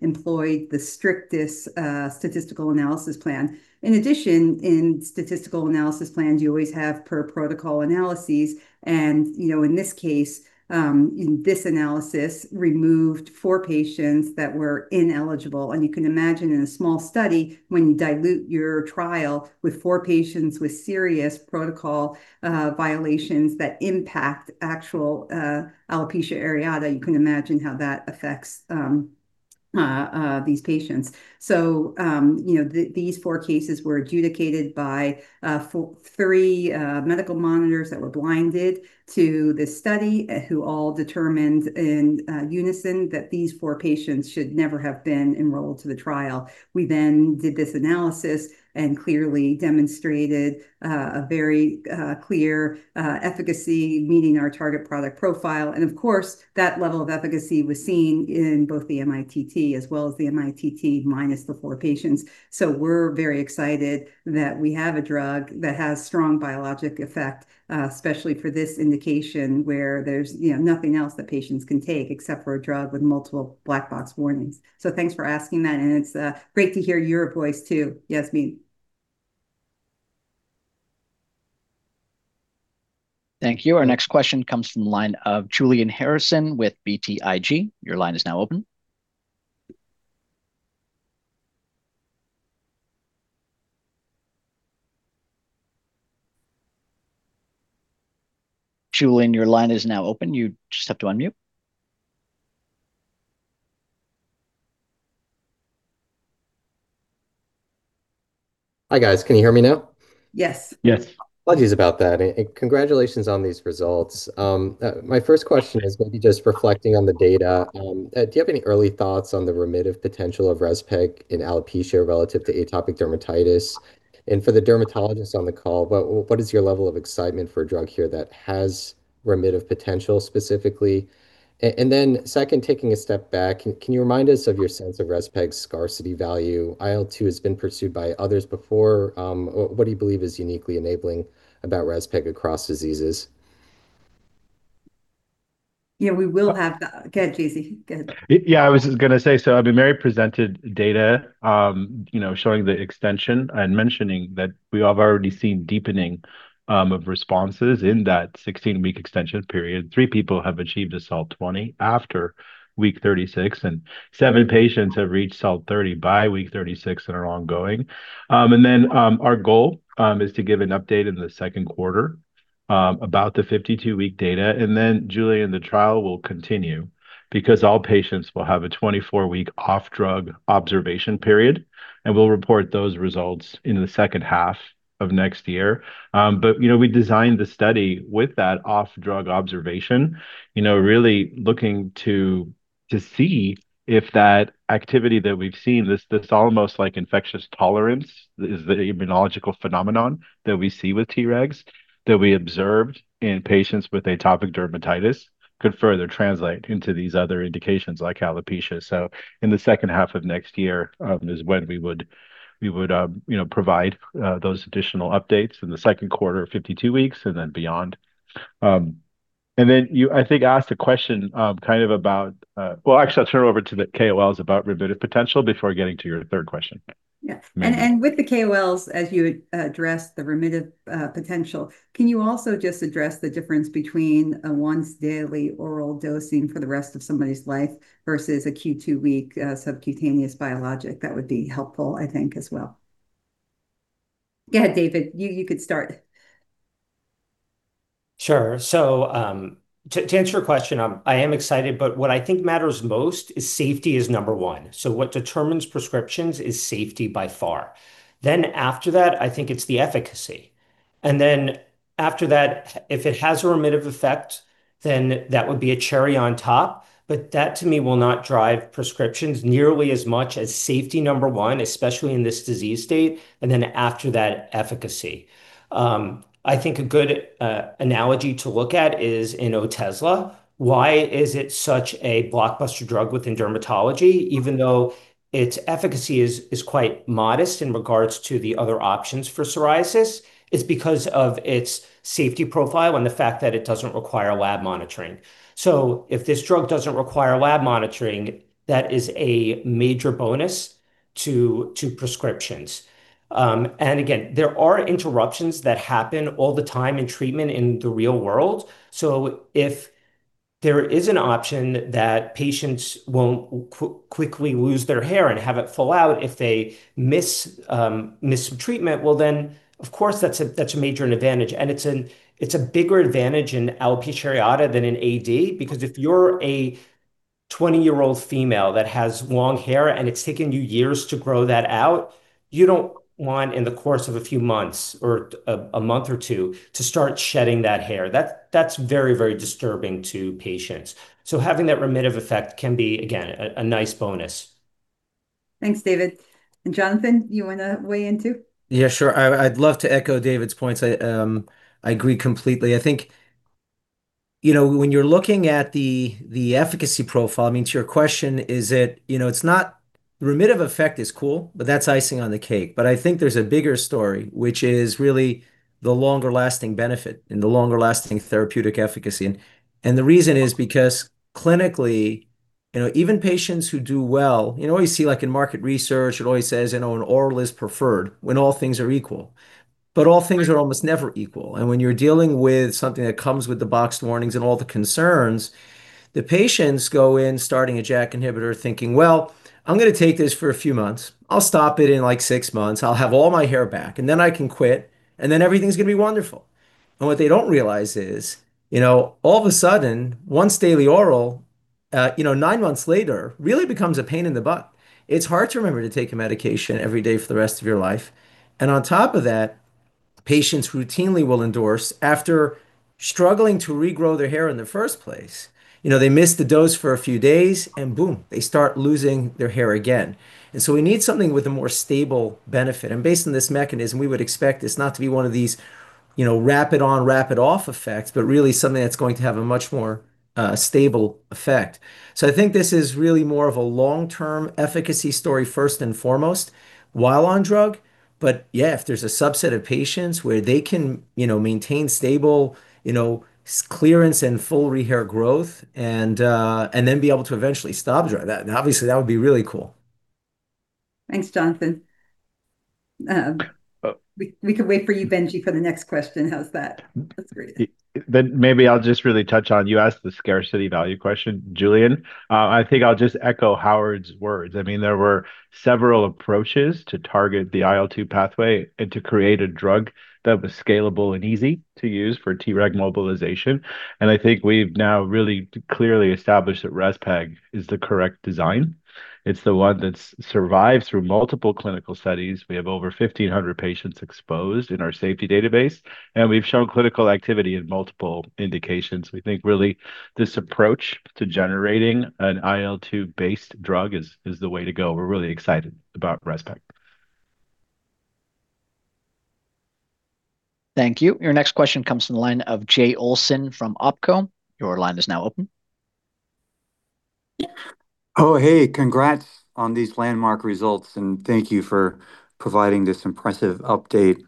employed the strictest statistical analysis plan. In addition, in statistical analysis plans, you always have per protocol analyses, and in this case, in this analysis, removed four patients that were ineligible. And you can imagine in a small study, when you dilute your trial with four patients with serious protocol violations that impact actual alopecia areata, you can imagine how that affects these patients. So these four cases were adjudicated by three medical monitors that were blinded to this study who all determined in unison that these four patients should never have been enrolled to the trial. We then did this analysis and clearly demonstrated a very clear efficacy, meeting our target product profile. And of course, that level of efficacy was seen in both the mITT as well as the mITT minus the four patients. So we're very excited that we have a drug that has strong biologic effect, especially for this indication where there's nothing else that patients can take except for a drug with multiple black box warnings. So thanks for asking that, and it's great to hear your voice too, Yasmeen. Thank you. Our next question comes from the line of Julian Harrison with BTIG. Your line is now open. Julian, your line is now open. You just have to unmute. Hi guys. Can you hear me now? Yes. Yes. Apologies about that. Congratulations on these results. My first question is maybe just reflecting on the data. Do you have any early thoughts on the remissive potential of REZPEG in alopecia relative to atopic dermatitis? And for the dermatologists on the call, what is your level of excitement for a drug here that has remissive potential specifically? And then second, taking a step back, can you remind us of your sense of REZPEG's scarcity value? IL-2 has been pursued by others before. What do you believe is uniquely enabling about REZPEG across diseases? Yeah, we will have that. Go ahead, J.Z.. Yeah, I was just going to say, so I mean, Mary presented data showing the extension and mentioning that we have already seen deepening of responses in that 16-week extension period. Three people have achieved a SALT 20 after week 36, and seven patients have reached SALT 30 by week 36 and are ongoing. And then our goal is to give an update in the second quarter about the 52-week data. And then Julian, the trial will continue because all patients will have a 24-week off-drug observation period, and we'll report those results in the second half of next year. But we designed the study with that off-drug observation, really looking to see if that activity that we've seen, this almost like infectious tolerance, is the immunological phenomenon that we see with Tregs that we observed in patients with atopic dermatitis, could further translate into these other indications like alopecia. So in the second half of next year is when we would provide those additional updates in the second quarter of 52 weeks and then beyond. And then I think I asked a question kind of about, well, actually, I'll turn it over to the KOLs about remissive potential before getting to your third question. Yes. And with the KOLs, as you address the remissive potential, can you also just address the difference between a once-daily oral dosing for the rest of somebody's life versus a Q2-week subcutaneous biologic? That would be helpful, I think, as well. Go ahead, David. You could start. Sure. So to answer your question, I am excited, but what I think matters most is safety is number one. So what determines prescriptions is safety by far. Then after that, I think it's the efficacy. And then after that, if it has a remissive effect, then that would be a cherry on top. But that, to me, will not drive prescriptions nearly as much as safety number one, especially in this disease state, and then after that, efficacy. I think a good analogy to look at is in Otezla. Why is it such a blockbuster drug within dermatology, even though its efficacy is quite modest in regards to the other options for psoriasis? It's because of its safety profile and the fact that it doesn't require lab monitoring. So if this drug doesn't require lab monitoring, that is a major bonus to prescriptions. And again, there are interruptions that happen all the time in treatment in the real world. So if there is an option that patients won't quickly lose their hair and have it fall out if they miss some treatment, well, then of course, that's a major advantage. And it's a bigger advantage in alopecia areata than in AD because if you're a 20-year-old female that has long hair and it's taken you years to grow that out, you don't want, in the course of a few months or a month or two, to start shedding that hair. That's very, very disturbing to patients. So having that remissive effect can be, again, a nice bonus. Thanks, David. And Jonathan, you want to weigh in too? Yeah, sure. I'd love to echo David's points. I agree completely. I think when you're looking at the efficacy profile, I mean, to your question, it's not, remission effect is cool, but that's icing on the cake, but I think there's a bigger story, which is really the longer-lasting benefit and the longer-lasting therapeutic efficacy, and the reason is because clinically, even patients who do well, you always see in market research, it always says an oral is preferred when all things are equal. But all things are almost never equal. And when you're dealing with something that comes with the box warnings and all the concerns, the patients go in starting a JAK inhibitor thinking, "Well, I'm going to take this for a few months. I'll stop it in like six months. I'll have all my hair back, and then I can quit, and then everything's going to be wonderful." And what they don't realize is all of a sudden, once daily oral, nine months later, really becomes a pain in the butt. It's hard to remember to take a medication every day for the rest of your life. And on top of that, patients routinely will endorse after struggling to regrow their hair in the first place. They missed the dose for a few days, and boom, they start losing their hair again. And so we need something with a more stable benefit. And based on this mechanism, we would expect this not to be one of these rapid-on, rapid-off effects, but really something that's going to have a much more stable effect. So I think this is really more of a long-term efficacy story first and foremost while on drug. But yeah, if there's a subset of patients where they can maintain stable clearance and full regrowth and then be able to eventually stop drug, obviously, that would be really cool. Thanks, Jonathan. We could wait for you, Benji, for the next question. How's that? That's great. Maybe I'll just really touch on you asked the scarcity value question, Julian. I think I'll just echo Howard's words. I mean, there were several approaches to target the IL-2 pathway and to create a drug that was scalable and easy to use for Treg mobilization. And I think we've now really clearly established that REZPEG is the correct design. It's the one that's survived through multiple clinical studies. We have over 1,500 patients exposed in our safety database, and we've shown clinical activity in multiple indications. We think really this approach to generating an IL-2-based drug is the way to go. We're really excited about REZPEG. Thank you. Your next question comes from the line of Jay Olson from OPCO. Your line is now open. Oh, hey, congrats on these landmark results, and thank you for providing this impressive update.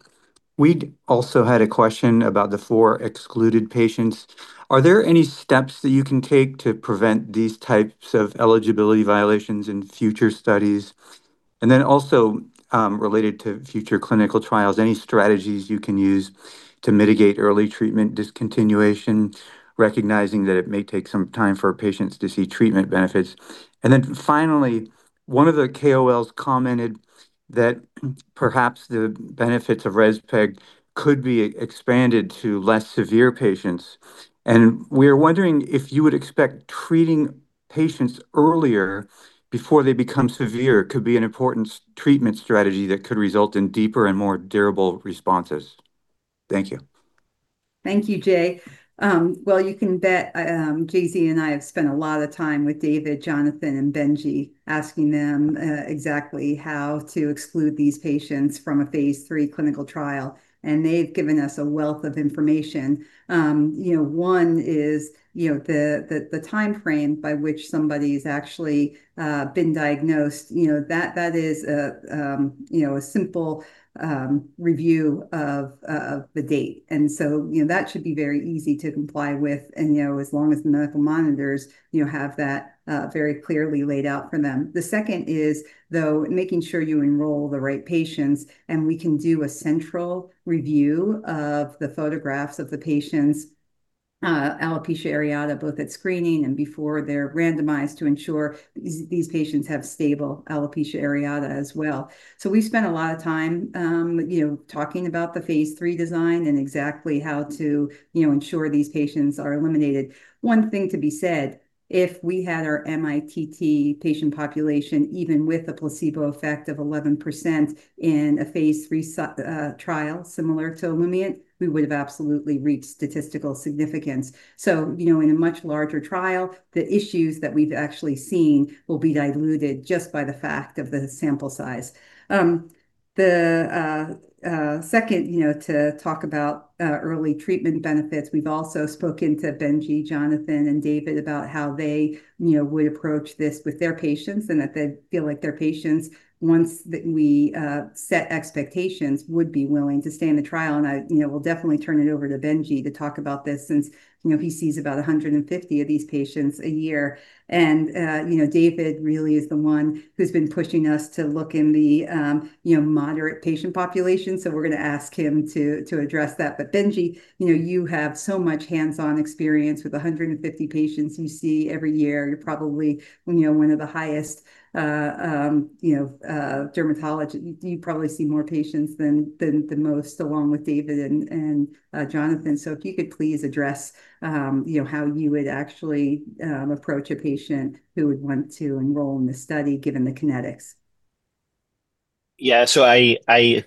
We also had a question about the four excluded patients. Are there any steps that you can take to prevent these types of eligibility violations in future studies? And then also related to future clinical trials, any strategies you can use to mitigate early treatment discontinuation, recognizing that it may take some time for patients to see treatment benefits? And then finally, one of the KOLs commented that perhaps the benefits of REZPEG could be expanded to less severe patients. And we are wondering if you would expect treating patients earlier before they become severe could be an important treatment strategy that could result in deeper and more durable responses. Thank you. Thank you, Jay. You can bet, J.Z. and I have spent a lot of time with David, Jonathan, and Benji asking them exactly how to exclude these patients from a phase III clinical trial. They've given us a wealth of information. One is the timeframe by which somebody has actually been diagnosed. That is a simple review of the date. That should be very easy to comply with, and as long as the medical monitors have that very clearly laid out for them. The second is, though, making sure you enroll the right patients, and we can do a central review of the photographs of the patients' alopecia areata both at screening and before they're randomized to ensure these patients have stable alopecia areata as well. So we spent a lot of time talking about the phase III design and exactly how to ensure these patients are eliminated. One thing to be said, if we had our mITT patient population, even with a placebo effect of 11% in a phase III trial similar to Olumiant, we would have absolutely reached statistical significance. So in a much larger trial, the issues that we've actually seen will be diluted just by the fact of the sample size. The second, to talk about early treatment benefits, we've also spoken to Benji, Jonathan, and David about how they would approach this with their patients and that they feel like their patients, once we set expectations, would be willing to stay in the trial. And I will definitely turn it over to Benji to talk about this since he sees about 150 of these patients a year. David really is the one who's been pushing us to look in the moderate patient population. We're going to ask him to address that. Benji, you have so much hands-on experience with 150 patients you see every year. You're probably one of the highest dermatologists. You probably see more patients than the most, along with David and Jonathan. If you could please address how you would actually approach a patient who would want to enroll in the study given the kinetics. Yeah. I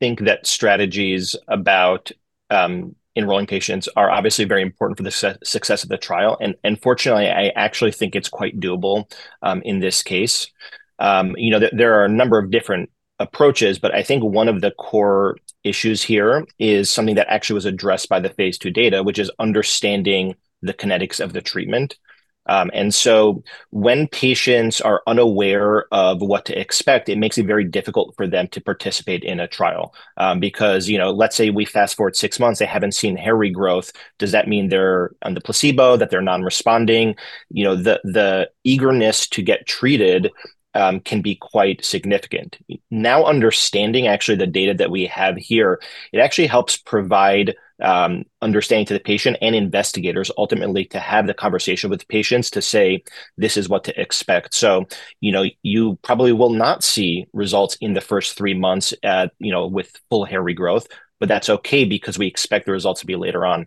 think that strategies about enrolling patients are obviously very important for the success of the trial. Fortunately, I actually think it's quite doable in this case. There are a number of different approaches, but I think one of the core issues here is something that actually was addressed by the phase II data, which is understanding the kinetics of the treatment. And so when patients are unaware of what to expect, it makes it very difficult for them to participate in a trial. Because let's say we fast-forward six months, they haven't seen hair regrowth. Does that mean they're on the placebo, that they're non-responding? The eagerness to get treated can be quite significant. Now, understanding actually the data that we have here, it actually helps provide understanding to the patient and investigators ultimately to have the conversation with patients to say, "This is what to expect." So you probably will not see results in the first three months with full hair regrowth, but that's okay because we expect the results to be later on.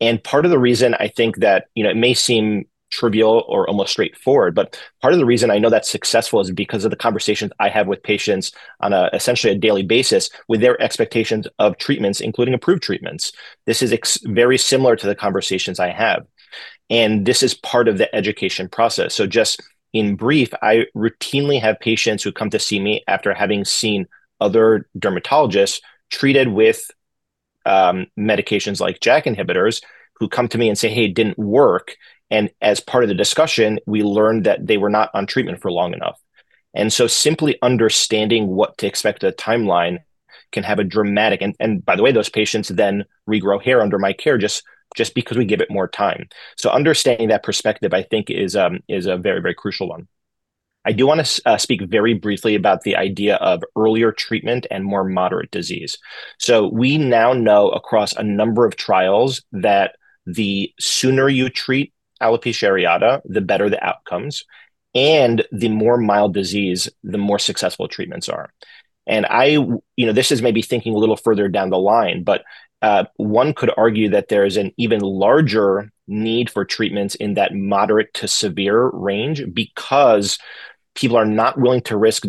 And part of the reason I think that it may seem trivial or almost straightforward, but part of the reason I know that's successful is because of the conversations I have with patients on essentially a daily basis with their expectations of treatments, including approved treatments. This is very similar to the conversations I have. And this is part of the education process. So just in brief, I routinely have patients who come to see me after having seen other dermatologists treated with medications like JAK inhibitors who come to me and say, "Hey, it didn't work." And as part of the discussion, we learned that they were not on treatment for long enough. And so simply understanding what to expect, a timeline can have a dramatic, and by the way, those patients then regrow hair under my care just because we give it more time. So understanding that perspective, I think, is a very, very crucial one. I do want to speak very briefly about the idea of earlier treatment and more moderate disease. So we now know across a number of trials that the sooner you treat alopecia areata, the better the outcomes, and the more mild disease, the more successful treatments are. And this is maybe thinking a little further down the line, but one could argue that there is an even larger need for treatments in that moderate to severe range because people are not willing to risk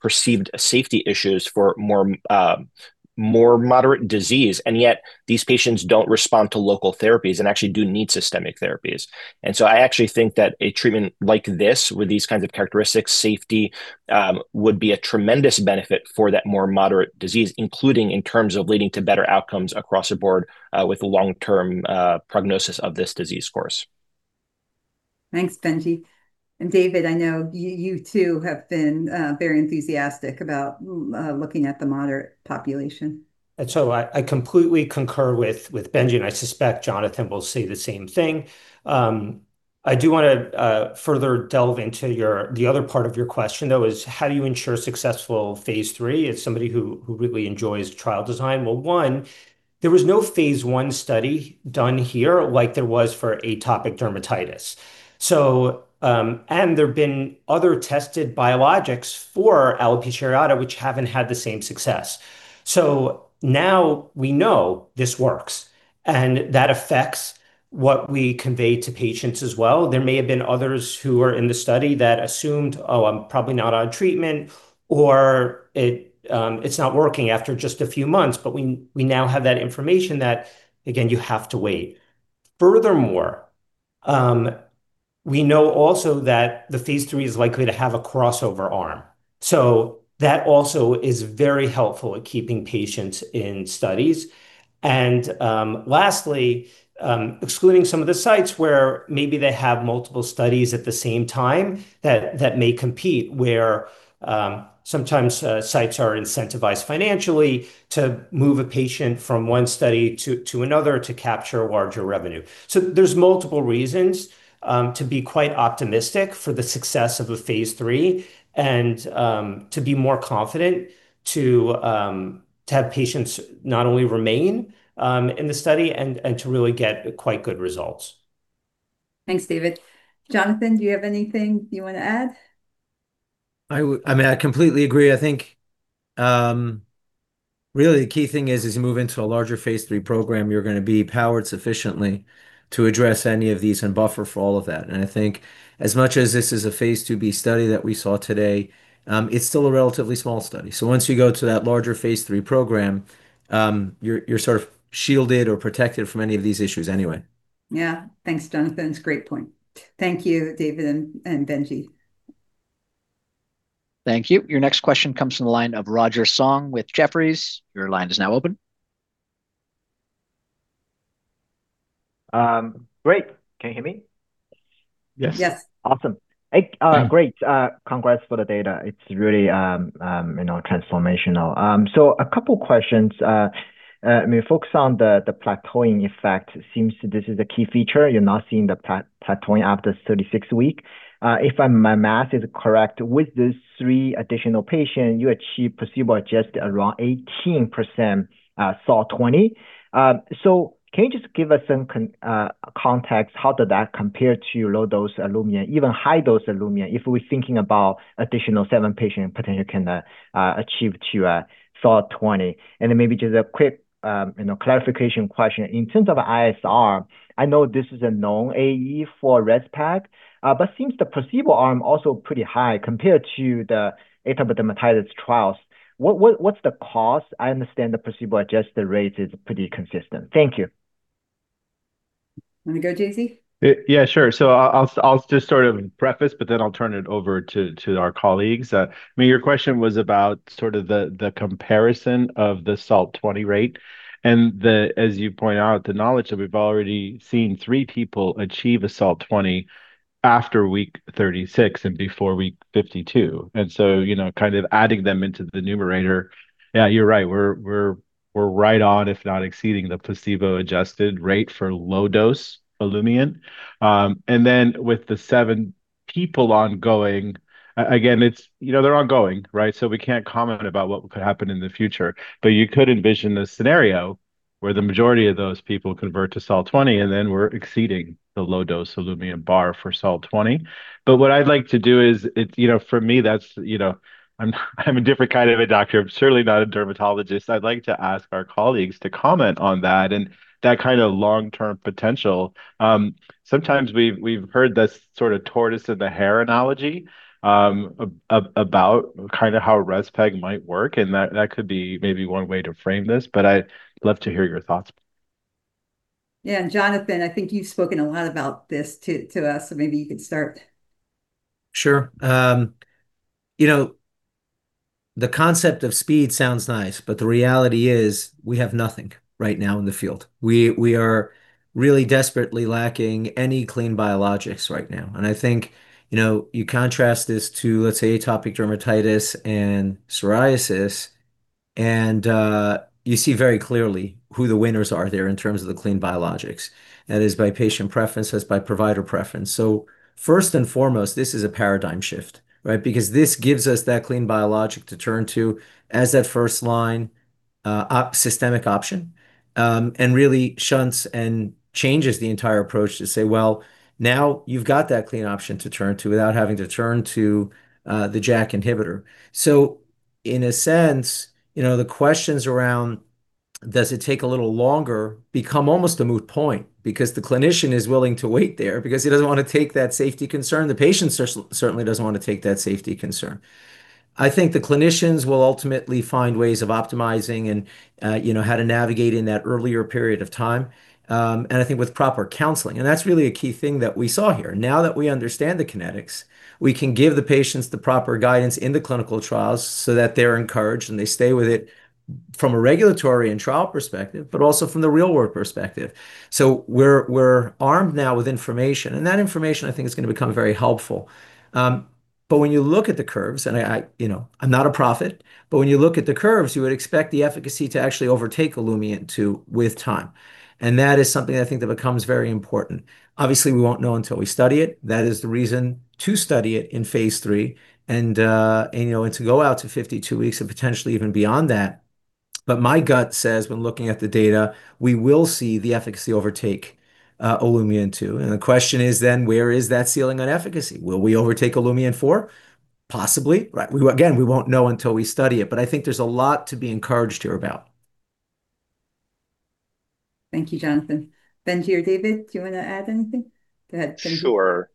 perceived safety issues for more moderate disease. And yet, these patients don't respond to local therapies and actually do need systemic therapies. And so I actually think that a treatment like this with these kinds of characteristics, safety, would be a tremendous benefit for that more moderate disease, including in terms of leading to better outcomes across the board with a long-term prognosis of this disease course. Thanks, Benji. And David, I know you too have been very enthusiastic about looking at the moderate population. And so I completely concur with Benji, and I suspect Jonathan will say the same thing. I do want to further delve into the other part of your question, though. Is how do you ensure successful phase III as somebody who really enjoys trial design? Well, one, there was no phase I study done here like there was for atopic dermatitis. And there have been other tested biologics for alopecia areata, which haven't had the same success. So now we know this works, and that affects what we convey to patients as well. There may have been others who were in the study that assumed, "Oh, I'm probably not on treatment," or, "It's not working after just a few months." But we now have that information that, again, you have to wait. Furthermore, we know also that the phase III is likely to have a crossover arm. So that also is very helpful at keeping patients in studies. And lastly, excluding some of the sites where maybe they have multiple studies at the same time that may compete, where sometimes sites are incentivized financially to move a patient from one study to another to capture larger revenue. So there's multiple reasons to be quite optimistic for the success of a phase III and to be more confident to have patients not only remain in the study and to really get quite good results. Thanks, David. Jonathan, do you have anything you want to add? I mean, I completely agree. I think really the key thing is as you move into a larger phase III program, you're going to be powered sufficiently to address any of these and buffer for all of that. And I think as much as this is a phase II-B study that we saw today, it's still a relatively small study. So once you go to that larger phase III program, you're sort of shielded or protected from any of these issues anyway. Yeah. Thanks, Jonathan. It's a great point. Thank you, David and Benji. Thank you. Your next question comes from the line of Roger Song with Jefferies. Your line is now open. Great. Can you hear me? Yes. Yes. Awesome. Great. Congrats for the data. It's really transformational. So a couple of questions. I mean, focus on the plateauing effect. It seems this is a key feature. You're not seeing the plateauing after 36 weeks. If my math is correct, with these three additional patients, you achieve placebo adjusted around 18% SALT 20. So can you just give us some context? How does that compare to low-dose Olumiant, even high-dose Olumiant, if we're thinking about additional seven patients potentially can achieve to SALT 20? And then maybe just a quick clarification question. In terms of ISR, I know this is a known AE for REZPEG, but it seems the placebo arm is also pretty high compared to the atopic dermatitis trials. What's the cost? I understand the placebo adjusted rate is pretty consistent. Thank you. Want to go, J.Z.? Yeah, sure. So I'll just sort of preface, but then I'll turn it over to our colleagues. I mean, your question was about sort of the comparison of the SALT 20 rate, and as you point out, the knowledge that we've already seen three people achieve a SALT 20 after week 36 and before week 52. And so kind of adding them into the numerator, yeah, you're right. We're right on, if not exceeding, the placebo adjusted rate for low-dose Olumiant. And then with the seven people ongoing, again, they're ongoing, right? So we can't comment about what could happen in the future. But you could envision the scenario where the majority of those people convert to SALT 20, and then we're exceeding the low-dose Olumiant bar for SALT 20. But what I'd like to do is, for me, I'm a different kind of a doctor, certainly not a dermatologist. I'd like to ask our colleagues to comment on that and that kind of long-term potential. Sometimes we've heard this sort of tortoise and the hare analogy about kind of how REZPEG might work. And that could be maybe one way to frame this. But I'd love to hear your thoughts. Yeah. And Jonathan, I think you've spoken a lot about this to us. So maybe you could start. Sure. The concept of speed sounds nice, but the reality is we have nothing right now in the field. We are really desperately lacking any clean biologics right now. And I think you contrast this to, let's say, atopic dermatitis and psoriasis, and you see very clearly who the winners are there in terms of the clean biologics. That is by patient preference as by provider preference. So first and foremost, this is a paradigm shift, right? Because this gives us that clean biologic to turn to as that first line systemic option and really shunts and changes the entire approach to say, "Well, now you've got that clean option to turn to without having to turn to the JAK inhibitor." So in a sense, the questions around, "Does it take a little longer?" become almost a moot point because the clinician is willing to wait there because he doesn't want to take that safety concern. The patient certainly doesn't want to take that safety concern. I think the clinicians will ultimately find ways of optimizing and how to navigate in that earlier period of time. And I think with proper counseling. And that's really a key thing that we saw here. Now that we understand the kinetics, we can give the patients the proper guidance in the clinical trials so that they're encouraged and they stay with it from a regulatory and trial perspective, but also from the real-world perspective. So we're armed now with information. And that information, I think, is going to become very helpful. But when you look at the curves, and I'm not a prophet, but when you look at the curves, you would expect the efficacy to actually overtake Olumiant with time. And that is something I think that becomes very important. Obviously, we won't know until we study it. That is the reason to study it in phase III and to go out to 52 weeks and potentially even beyond that. But my gut says, when looking at the data, we will see the efficacy overtake Olumiant too. The question is then, where is that ceiling on efficacy? Will we overtake Olumiant 4? Possibly, right? Again, we won't know until we study it. But I think there's a lot to be encouraged here about. Thank you, Jonathan. Benji or David, do you want to add anything? Go ahead. Sure.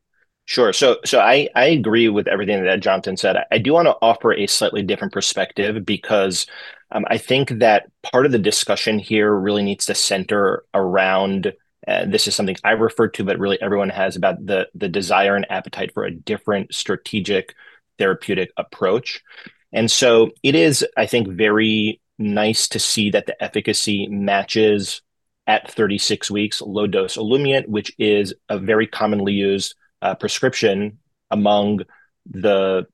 Sure. So I agree with everything that Jonathan said. I do want to offer a slightly different perspective because I think that part of the discussion here really needs to center around this is something I refer to, but really everyone has about the desire and appetite for a different strategic therapeutic approach. And so it is, I think, very nice to see that the efficacy matches at 36 weeks low-dose Olumiant, which is a very commonly used prescription among the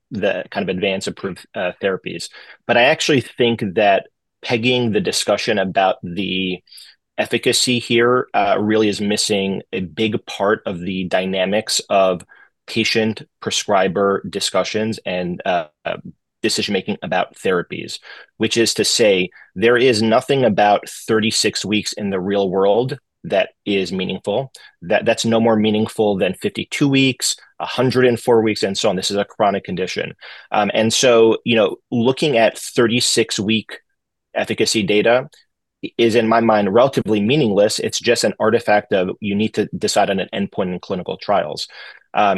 kind of advanced approved therapies. I actually think that pegging the discussion about the efficacy here really is missing a big part of the dynamics of patient-prescriber discussions and decision-making about therapies, which is to say there is nothing about 36 weeks in the real world that is meaningful. That's no more meaningful than 52 weeks, 104 weeks, and so on. This is a chronic condition. And so looking at 36-week efficacy data is, in my mind, relatively meaningless. It's just an artifact of you need to decide on an endpoint in clinical trials.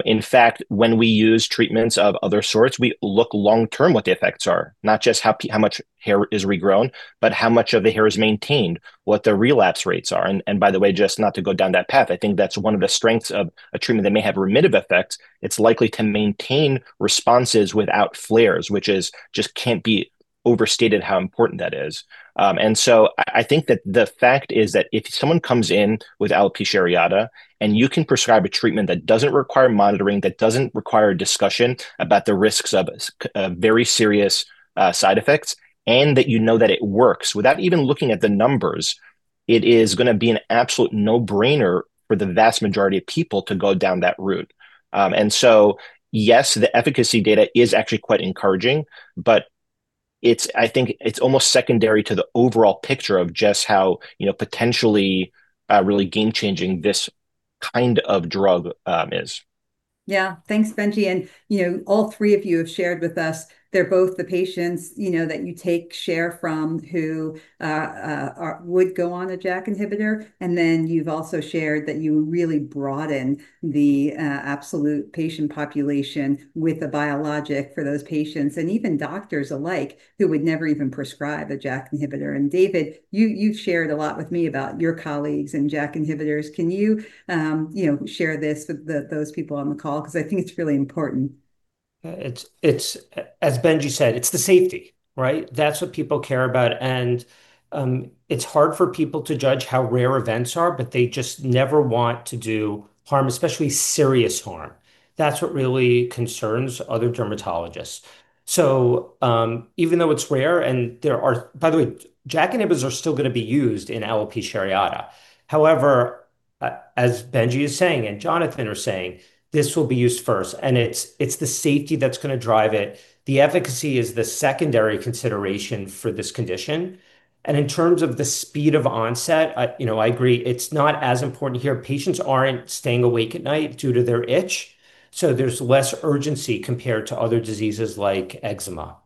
In fact, when we use treatments of other sorts, we look long-term what the effects are, not just how much hair is regrown, but how much of the hair is maintained, what the relapse rates are. And by the way, just not to go down that path, I think that's one of the strengths of a treatment that may have remissive effects. It's likely to maintain responses without flares, which just can't be overstated how important that is. And so I think that the fact is that if someone comes in with alopecia areata and you can prescribe a treatment that doesn't require monitoring, that doesn't require a discussion about the risks of very serious side effects, and that you know that it works without even looking at the numbers, it is going to be an absolute no-brainer for the vast majority of people to go down that route. And so yes, the efficacy data is actually quite encouraging, but I think it's almost secondary to the overall picture of just how potentially really game-changing this kind of drug is. Yeah. Thanks, Benji. And all three of you have shared with us. They're both the patients that you take share from who would go on a JAK inhibitor. And then you've also shared that you really broaden the absolute patient population with a biologic for those patients and even doctors alike who would never even prescribe a JAK inhibitor. And David, you've shared a lot with me about your colleagues and JAK inhibitors. Can you share this with those people on the call? Because I think it's really important. As Benji said, it's the safety, right? That's what people care about. And it's hard for people to judge how rare events are, but they just never want to do harm, especially serious harm. That's what really concerns other dermatologists. So even though it's rare, and by the way, JAK inhibitors are still going to be used in alopecia areata. However, as Benji is saying and Jonathan are saying, this will be used first, and it's the safety that's going to drive it. The efficacy is the secondary consideration for this condition, and in terms of the speed of onset, I agree. It's not as important here. Patients aren't staying awake at night due to their itch, so there's less urgency compared to other diseases like eczema,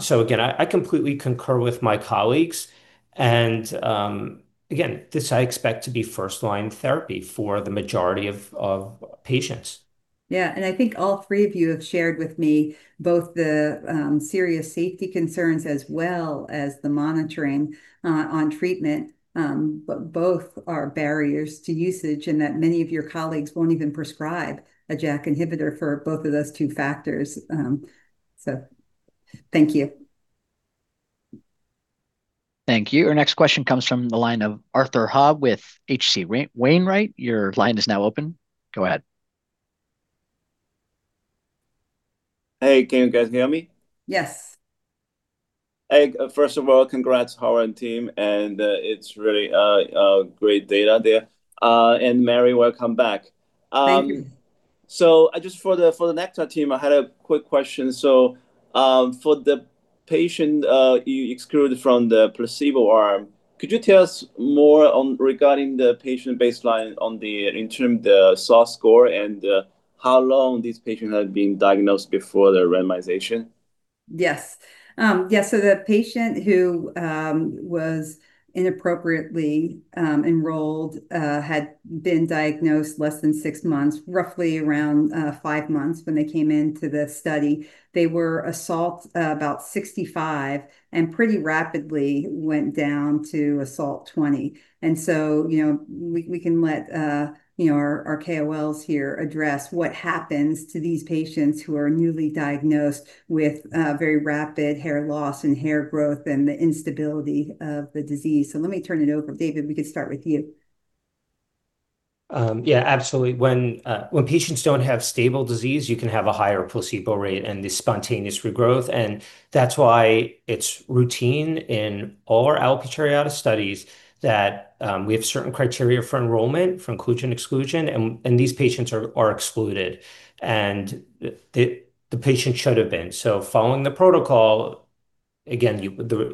so again, I completely concur with my colleagues, and again, this I expect to be first-line therapy for the majority of patients. Yeah, and I think all three of you have shared with me both the serious safety concerns as well as the monitoring on treatment, but both are barriers to usage and that many of your colleagues won't even prescribe a JAK inhibitor for both of those two factors, so thank you. Thank you. Our next question comes from the line of Arthur He with H.C. Wainwright. Your line is now open. Go ahead. Hey, can you guys hear me? Yes. Hey, first of all, congrats to Howard and team. And it's really great data there. And Mary, welcome back. So just for the Nektar team, I had a quick question. So for the patient you excluded from the placebo arm, could you tell us more regarding the patient baseline in terms of the SALT score and how long these patients have been diagnosed before the randomization? Yes. Yeah. So the patient who was inappropriately enrolled had been diagnosed less than six months, roughly around five months when they came into the study. They were a SALT about 65 and pretty rapidly went down to a SALT 20. And so we can let our KOLs here address what happens to these patients who are newly diagnosed with very rapid hair loss and hair growth and the instability of the disease. So let me turn it over. David, we could start with you. Yeah, absolutely. When patients don't have stable disease, you can have a higher placebo rate and the spontaneous regrowth. And that's why it's routine in all our alopecia areata studies that we have certain criteria for enrollment, for inclusion and exclusion, and these patients are excluded. And the patient should have been. So following the protocol, again,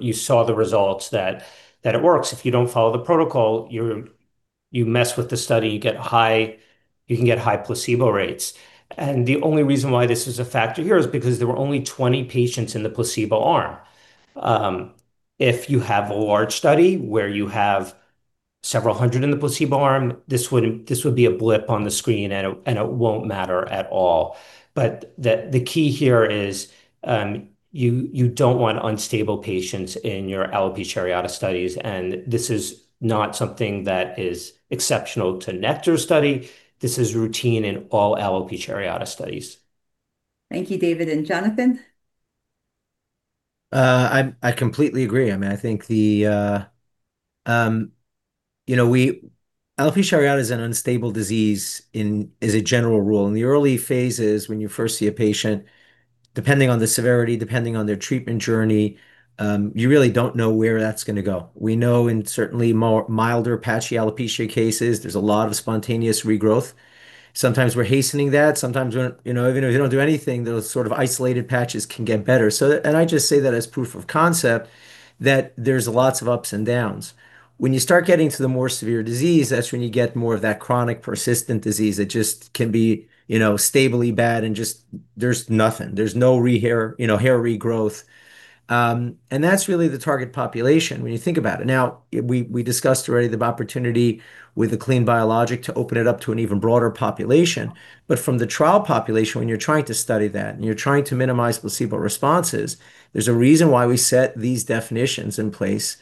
you saw the results that it works. If you don't follow the protocol, you mess with the study. You can get high placebo rates. And the only reason why this is a factor here is because there were only 20 patients in the placebo arm. If you have a large study where you have several hundred in the placebo arm, this would be a blip on the screen, and it won't matter at all. But the key here is you don't want unstable patients in your alopecia areata studies. And this is not something that is exceptional to Nektar's study. This is routine in all alopecia areata studies. Thank you, David. And Jonathan? I completely agree. I mean, I think alopecia areata is an unstable disease as a general rule. In the early phases, when you first see a patient, depending on the severity, depending on their treatment journey, you really don't know where that's going to go. We know in certainly milder patchy alopecia cases, there's a lot of spontaneous regrowth. Sometimes we're hastening that. Sometimes even if you don't do anything, those sort of isolated patches can get better. I just say that as proof of concept that there's lots of ups and downs. When you start getting to the more severe disease, that's when you get more of that chronic persistent disease that just can be stably bad and just there's nothing. There's no hair regrowth. That's really the target population when you think about it. We discussed already the opportunity with a clean biologic to open it up to an even broader population. From the trial population, when you're trying to study that and you're trying to minimize placebo responses, there's a reason why we set these definitions in place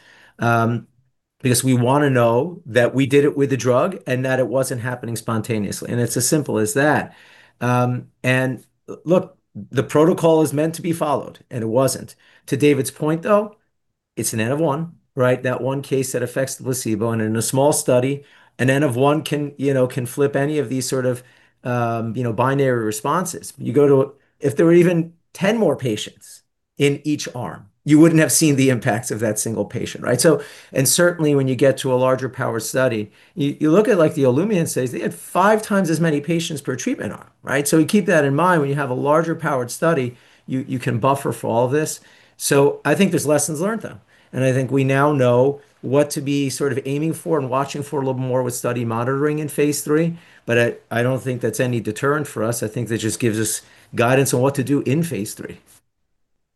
because we want to know that we did it with the drug and that it wasn't happening spontaneously. It's as simple as that. Look, the protocol is meant to be followed, and it wasn't. To David's point, though, it's an N-of-1, right? That one case that affects the placebo. And in a small study, an N-of-1 can flip any of these sort of binary responses. If there were even 10 more patients in each arm, you wouldn't have seen the impacts of that single patient, right? And certainly, when you get to a larger power study, you look at the Olumiant studies, they had five times as many patients per treatment arm, right? So keep that in mind. When you have a larger powered study, you can buffer for all of this. So I think there's lessons learned, though. And I think we now know what to be sort of aiming for and watching for a little more with study monitoring in phase III. But I don't think that's any deterrent for us. I think that just gives us guidance on what to do in phase III.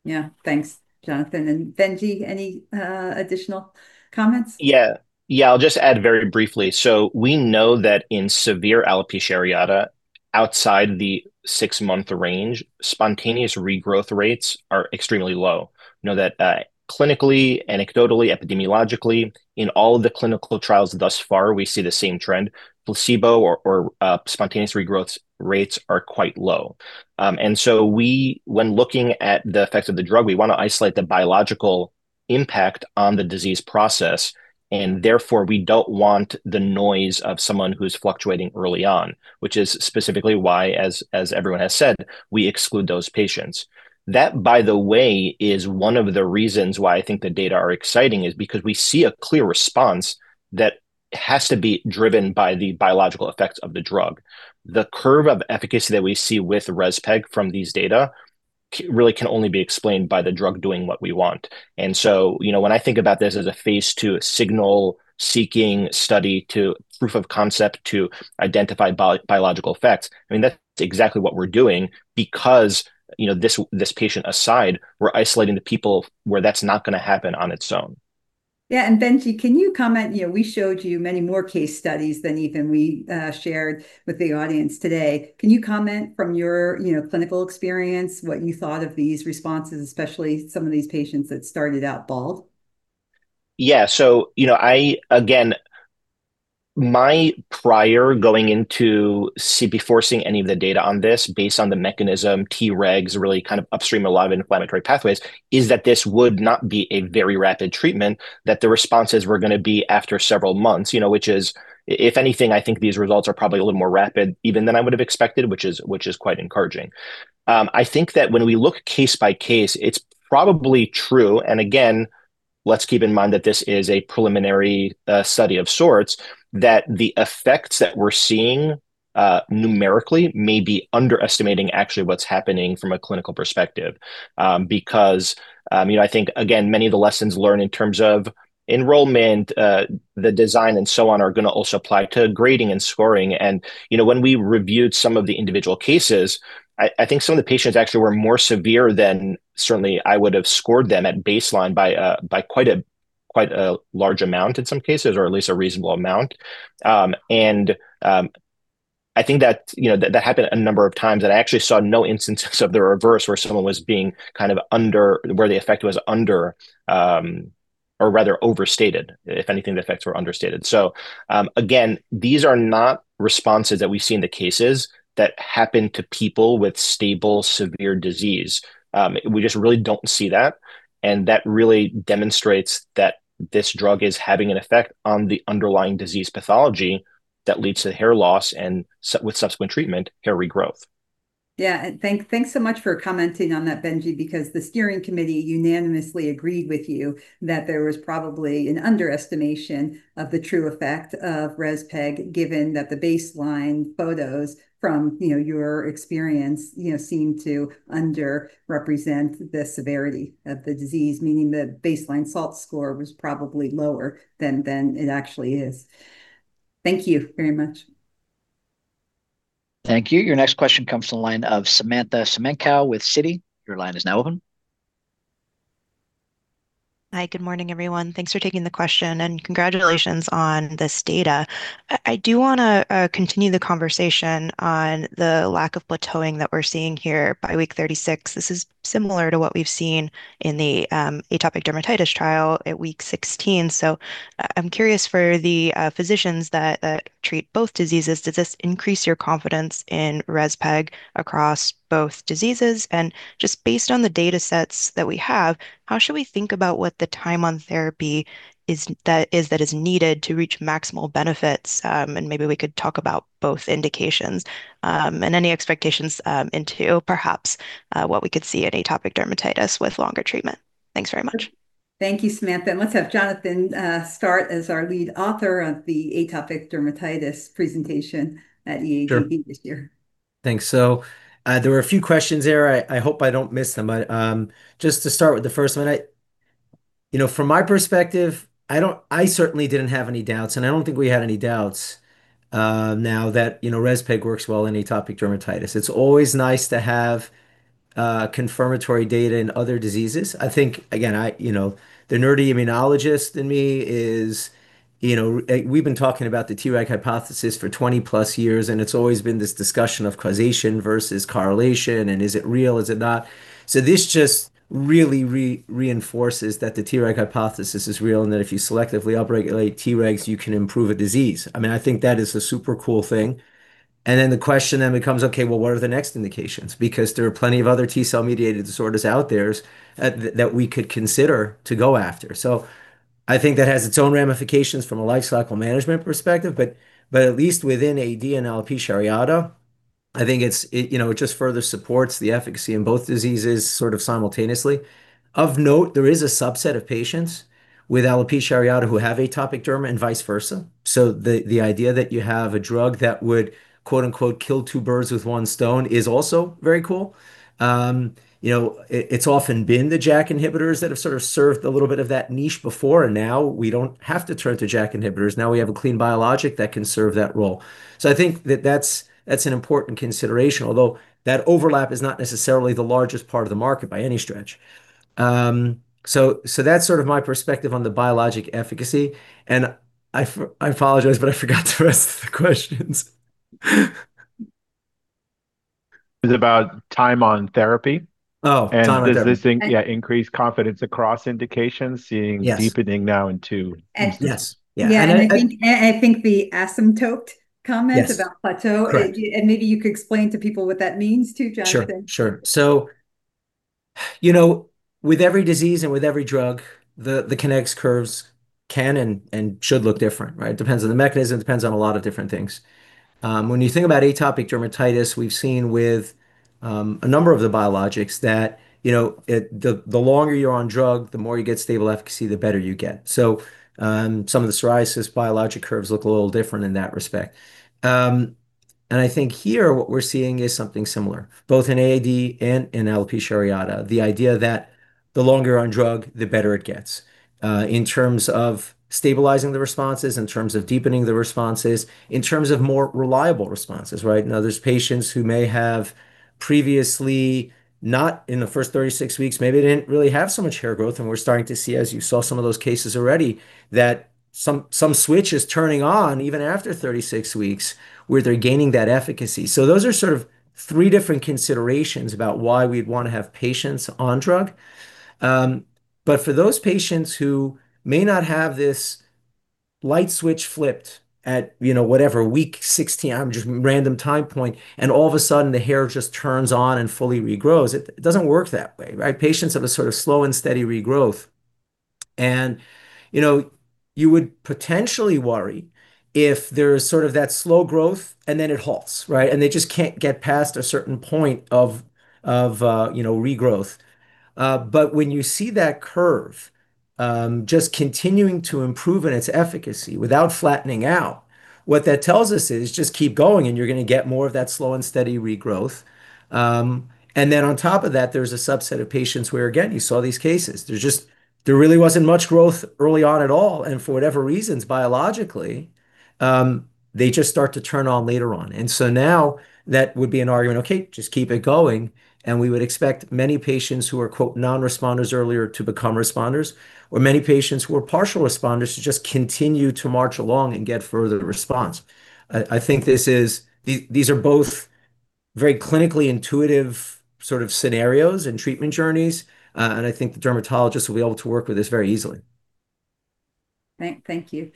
Yeah. Thanks, Jonathan. And Benji, any additional comments? Yeah. Yeah. I'll just add very briefly. So we know that in severe alopecia areata, outside the six-month range, spontaneous regrowth rates are extremely low. Clinically, anecdotally, epidemiologically, in all of the clinical trials thus far, we see the same trend. Placebo or spontaneous regrowth rates are quite low. And so when looking at the effects of the drug, we want to isolate the biological impact on the disease process. And therefore, we don't want the noise of someone who's fluctuating early on, which is specifically why, as everyone has said, we exclude those patients. That, by the way, is one of the reasons why I think the data are exciting is because we see a clear response that has to be driven by the biological effects of the drug. The curve of efficacy that we see with REZPEG from these data really can only be explained by the drug doing what we want. And so when I think about this as a phase II signal-seeking study to proof of concept to identify biological effects, I mean, that's exactly what we're doing because this patient aside, we're isolating the people where that's not going to happen on its own. Yeah. And Benji, can you comment? We showed you many more case studies than even we shared with the audience today. Can you comment from your clinical experience what you thought of these responses, especially some of these patients that started out bald? Yeah. So again, my prior going into this before seeing any of the data on this, based on the mechanism Tregs really kind of upstream a lot of inflammatory pathways, is that this would not be a very rapid treatment, that the responses were going to be after several months, which is, if anything, I think these results are probably a little more rapid even than I would have expected, which is quite encouraging. I think that when we look case by case, it's probably true. And again, let's keep in mind that this is a preliminary study of sorts, that the effects that we're seeing numerically may be underestimating actually what's happening from a clinical perspective. Because I think, again, many of the lessons learned in terms of enrollment, the design, and so on are going to also apply to grading and scoring. When we reviewed some of the individual cases, I think some of the patients actually were more severe than certainly I would have scored them at baseline by quite a large amount in some cases, or at least a reasonable amount. I think that that happened a number of times. I actually saw no instances of the reverse where someone was being kind of under where the effect was under or rather overstated, if anything, the effects were understated. Again, these are not responses that we see in the cases that happen to people with stable severe disease. We just really don't see that. That really demonstrates that this drug is having an effect on the underlying disease pathology that leads to hair loss and with subsequent treatment, hair regrowth. Yeah. Thanks so much for commenting on that, Benji, because the steering committee unanimously agreed with you that there was probably an underestimation of the true effect of REZPEG given that the baseline photos from your experience seem to underrepresent the severity of the disease, meaning the baseline SALT score was probably lower than it actually is. Thank you very much. Thank you. Your next question comes from the line of Samantha Semenkow with Citi. Your line is now open. Hi. Good morning, everyone. Thanks for taking the question. And congratulations on this data. I do want to continue the conversation on the lack of plateauing that we're seeing here by week 36. This is similar to what we've seen in the atopic dermatitis trial at week 16. So I'm curious for the physicians that treat both diseases, does this increase your confidence in REZPEG across both diseases? Just based on the data sets that we have, how should we think about what the time on therapy is that is needed to reach maximal benefits? And maybe we could talk about both indications and any expectations into perhaps what we could see in atopic dermatitis with longer treatment. Thanks very much. Thank you, Samantha. And let's have Jonathan start as our lead author of the atopic dermatitis presentation at this year. Sure. Thanks. So there were a few questions there. I hope I don't miss them. But just to start with the first one, from my perspective, I certainly didn't have any doubts. And I don't think we had any doubts now that REZPEG works well in atopic dermatitis. It's always nice to have confirmatory data in other diseases. I think, again, the nerdy immunologist in me is we've been talking about the Treg hypothesis for 20+ years. And it's always been this discussion of causation versus correlation. And is it real? Is it not? So this just really reinforces that the Treg hypothesis is real and that if you selectively upregulate Tregs, you can improve a disease. I mean, I think that is a super cool thing. And then the question then becomes, okay, well, what are the next indications? Because there are plenty of other T cell-mediated disorders out there that we could consider to go after. So I think that has its own ramifications from a lifecycle management perspective. But at least within AD and alopecia areata, I think it just further supports the efficacy in both diseases sort of simultaneously. Of note, there is a subset of patients with alopecia areata who have atopic dermatitis and vice versa. So the idea that you have a drug that would, quote-unquote, "kill two birds with one stone" is also very cool. It's often been the JAK inhibitors that have sort of served a little bit of that niche before. And now we don't have to turn to JAK inhibitors. Now we have a clean biologic that can serve that role. So I think that that's an important consideration, although that overlap is not necessarily the largest part of the market by any stretch. So that's sort of my perspective on the biologic efficacy. And I apologize, but I forgot the rest of the questions. It was about time on therapy. Oh, time on therapy. And does this thing, yeah, increase confidence across indications, seeing deepening now into? Yes. Yeah. And I think the asymptotic comments about plateau. And maybe you could explain to people what that means too, Jonathan. Sure. Sure. So with every disease and with every drug, the kinetics curves can and should look different, right? It depends on the mechanism. It depends on a lot of different things. When you think about atopic dermatitis, we've seen with a number of the biologics that the longer you're on drug, the more you get stable efficacy, the better you get. So some of the psoriasis biologic curves look a little different in that respect. And I think here what we're seeing is something similar, both in AD and in alopecia areata. The idea that the longer you're on drug, the better it gets in terms of stabilizing the responses, in terms of deepening the responses, in terms of more reliable responses, right? Now, there's patients who may have previously, not in the first 36 weeks, maybe they didn't really have so much hair growth. And we're starting to see, as you saw some of those cases already, that some switch is turning on even after 36 weeks where they're gaining that efficacy. So those are sort of three different considerations about why we'd want to have patients on drug. But for those patients who may not have this light switch flipped at whatever week 16, I'm just random time point, and all of a sudden, the hair just turns on and fully regrows, it doesn't work that way, right? Patients have a sort of slow and steady regrowth. And you would potentially worry if there's sort of that slow growth and then it halts, right? And they just can't get past a certain point of regrowth. But when you see that curve just continuing to improve in its efficacy without flattening out, what that tells us is just keep going and you're going to get more of that slow and steady regrowth. And then on top of that, there's a subset of patients where, again, you saw these cases. There really wasn't much growth early on at all. And for whatever reasons, biologically, they just start to turn on later on. And so now that would be an argument, okay, just keep it going. And we would expect many patients who are, quote, "non-responders" earlier to become responders, or many patients who are partial responders to just continue to march along and get further response. I think these are both very clinically intuitive sort of scenarios and treatment journeys. And I think the dermatologists will be able to work with this very easily. Thank you.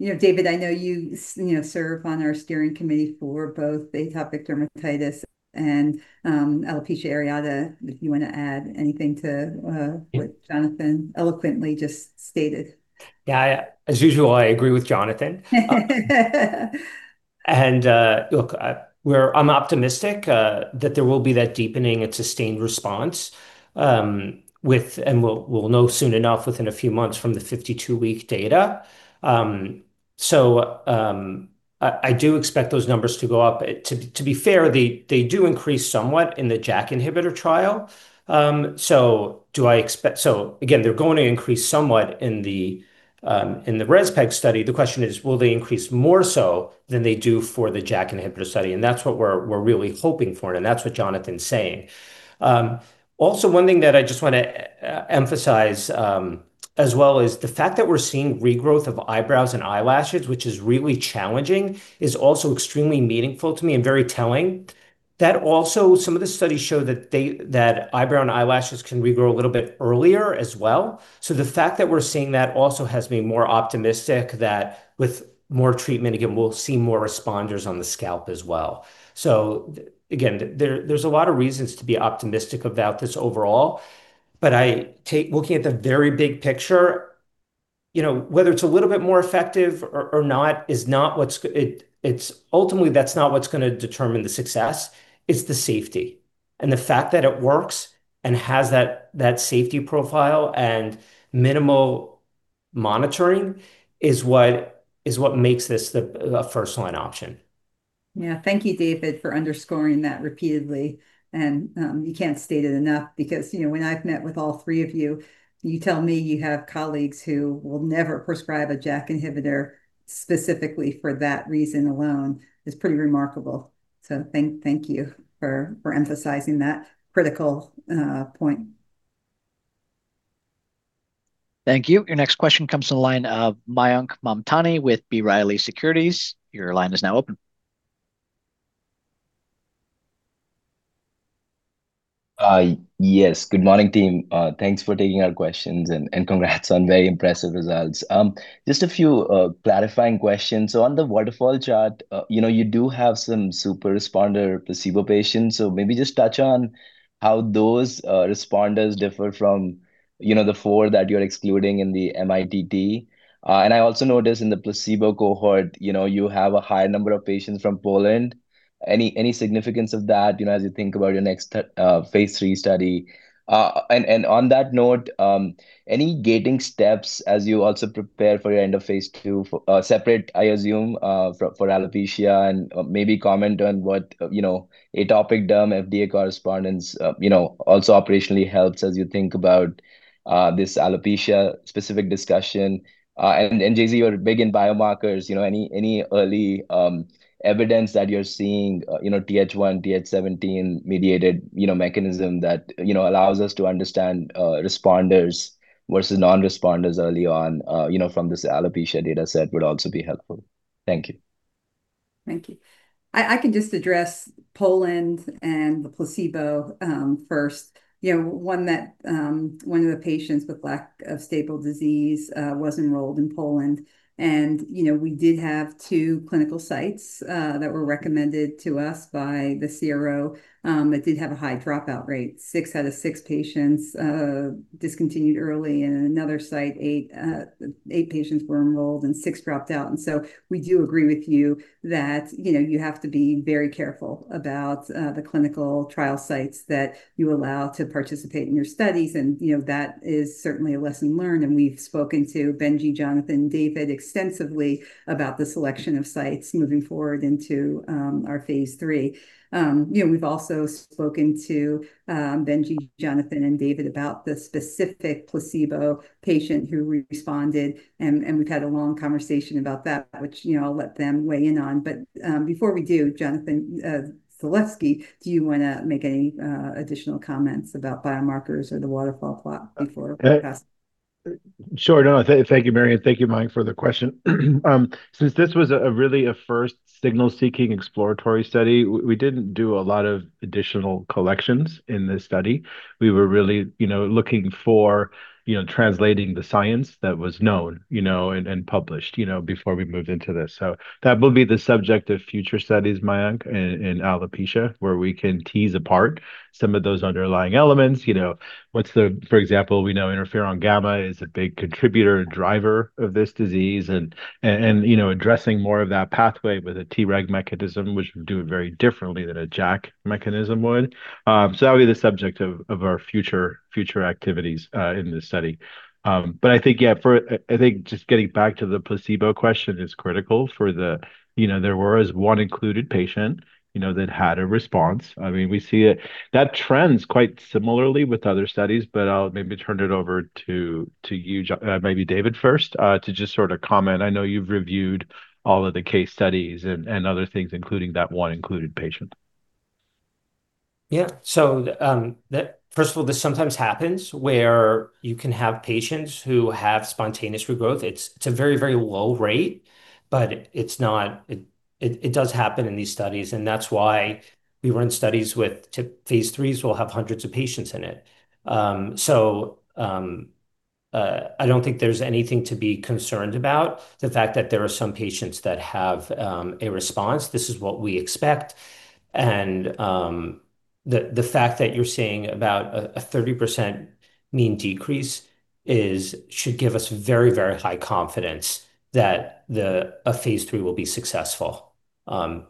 David, I know you serve on our steering committee for both atopic dermatitis and alopecia areata. If you want to add anything to what Jonathan eloquently just stated? Yeah. As usual, I agree with Jonathan. And look, I'm optimistic that there will be that deepening and sustained response. And we'll know soon enough within a few months from the 52-week data. So I do expect those numbers to go up. To be fair, they do increase somewhat in the JAK inhibitor trial. So again, they're going to increase somewhat in the REZPEG study. The question is, will they increase more so than they do for the JAK inhibitor study? And that's what we're really hoping for. And that's what Jonathan's saying. Also, one thing that I just want to emphasize as well is the fact that we're seeing regrowth of eyebrows and eyelashes, which is really challenging, is also extremely meaningful to me and very telling. That also, some of the studies show that eyebrow and eyelashes can regrow a little bit earlier as well. So the fact that we're seeing that also has me more optimistic that with more treatment, again, we'll see more responders on the scalp as well. So again, there's a lot of reasons to be optimistic about this overall. But looking at the very big picture, whether it's a little bit more effective or not is not what's ultimately going to determine the success. It's the safety. And the fact that it works and has that safety profile and minimal monitoring is what makes this the first-line option. Yeah. Thank you, David, for underscoring that repeatedly. And you can't state it enough because when I've met with all three of you, you tell me you have colleagues who will never prescribe a JAK inhibitor specifically for that reason alone. It's pretty remarkable. So thank you for emphasizing that critical point. Thank you. Your next question comes from the line of Mayank Mamtani with B. Riley Securities. Your line is now open. Yes. Good morning, team. Thanks for taking our questions. And congrats on very impressive results. Just a few clarifying questions. So on the waterfall chart, you do have some super responder placebo patients. So maybe just touch on how those responders differ from the four that you're excluding in the mITT. And I also noticed in the placebo cohort, you have a higher number of patients from Poland. Any significance of that as you think about your next phase III study? And on that note, any gating steps as you also prepare for your end of phase II separate, I assume, for alopecia? And maybe comment on what atopic derm FDA correspondence also operationally helps as you think about this alopecia-specific discussion. And J.Z., you're big in biomarkers. Any early evidence that you're seeing Th1, Th17-mediated mechanism that allows us to understand responders versus non-responders early on from this alopecia data set would also be helpful. Thank you. Thank you. I can just address Poland and the placebo first. One of the patients with lack of stable disease was enrolled in Poland. And we did have two clinical sites that were recommended to us by the CRO that did have a high dropout rate. Six out of six patients discontinued early. Another site, eight patients were enrolled and six dropped out. And so we do agree with you that you have to be very careful about the clinical trial sites that you allow to participate in your studies. And that is certainly a lesson learned. And we've spoken to Benji, Jonathan, David extensively about the selection of sites moving forward into our phase III. We've also spoken to Benji, Jonathan, and David about the specific placebo patient who responded. And we've had a long conversation about that, which I'll let them weigh in on. But before we do, Jonathan Zalevsky, do you want to make any additional comments about biomarkers or the waterfall plot before we pass? Sure. No, thank you, Mary. And thank you, Mayank, for the question. Since this was really a first signal-seeking exploratory study, we didn't do a lot of additional collections in this study. We were really looking for translating the science that was known and published before we moved into this. So that will be the subject of future studies, Mayank, in alopecia, where we can tease apart some of those underlying elements. For example, we know interferon gamma is a big contributor and driver of this disease. And addressing more of that pathway with a Treg mechanism, which would do it very differently than a JAK mechanism would. So that will be the subject of our future activities in this study. But I think, yeah, I think just getting back to the placebo question is critical for the there was one included patient that had a response. I mean, we see that trends quite similarly with other studies. But I'll maybe turn it over to you, maybe David first, to just sort of comment. I know you've reviewed all of the case studies and other things, including that one included patient. Yeah. So first of all, this sometimes happens where you can have patients who have spontaneous regrowth. It's a very, very low rate. But it does happen in these studies. And that's why we run studies with phase IIIs will have hundreds of patients in it. So I don't think there's anything to be concerned about. The fact that there are some patients that have a response, this is what we expect. And the fact that you're seeing about a 30% mean decrease should give us very, very high confidence that a phase III will be successful.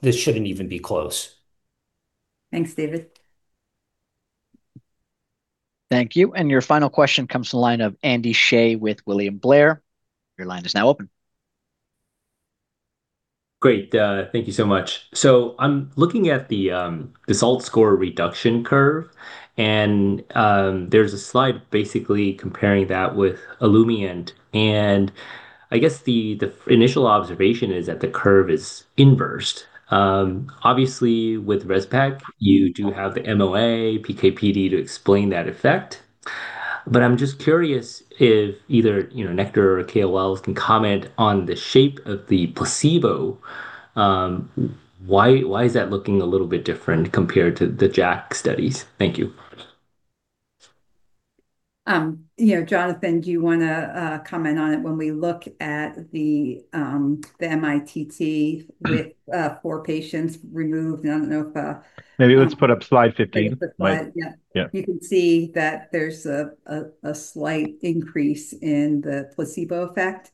This shouldn't even be close. Thanks, David. Thank you. And your final question comes from the line of Andy Hsieh with William Blair. Your line is now open. Great. Thank you so much. So I'm looking at the SALT score reduction curve. And there's a slide basically comparing that with Olumiant. And I guess the initial observation is that the curve is inversed. Obviously, with REZPEG, you do have the MOA, PK/PD to explain that effect. But I'm just curious if either Nektar or KOLs can comment on the shape of the placebo. Why is that looking a little bit different compared to the JAK studies? Thank you. Jonathan, do you want to comment on it? When we look at the mITT with four patients removed, I don't know if. Maybe let's put up slide 15. Yeah. You can see that there's a slight increase in the placebo effect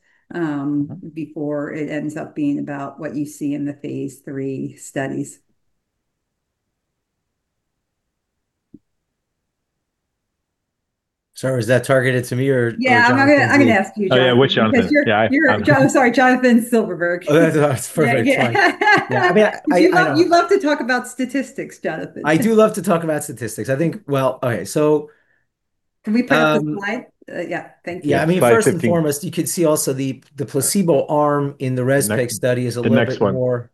before it ends up being about what you see in the phase III studies. Sorry, is that targeted to me or? Yeah, I'm going to ask you, Jonathan. Oh, yeah, which Jonathan? Yeah. I'm sorry, Jonathan Silverberg. Oh, that's perfect. Yeah. I mean, you love to talk about statistics, Jonathan. I do love to talk about statistics. I think, well, okay. So. Can we put up the slide? Yeah. Thank you. Yeah. I mean, first and foremost, you could see also the placebo arm in the REZPEG study is a little bit more.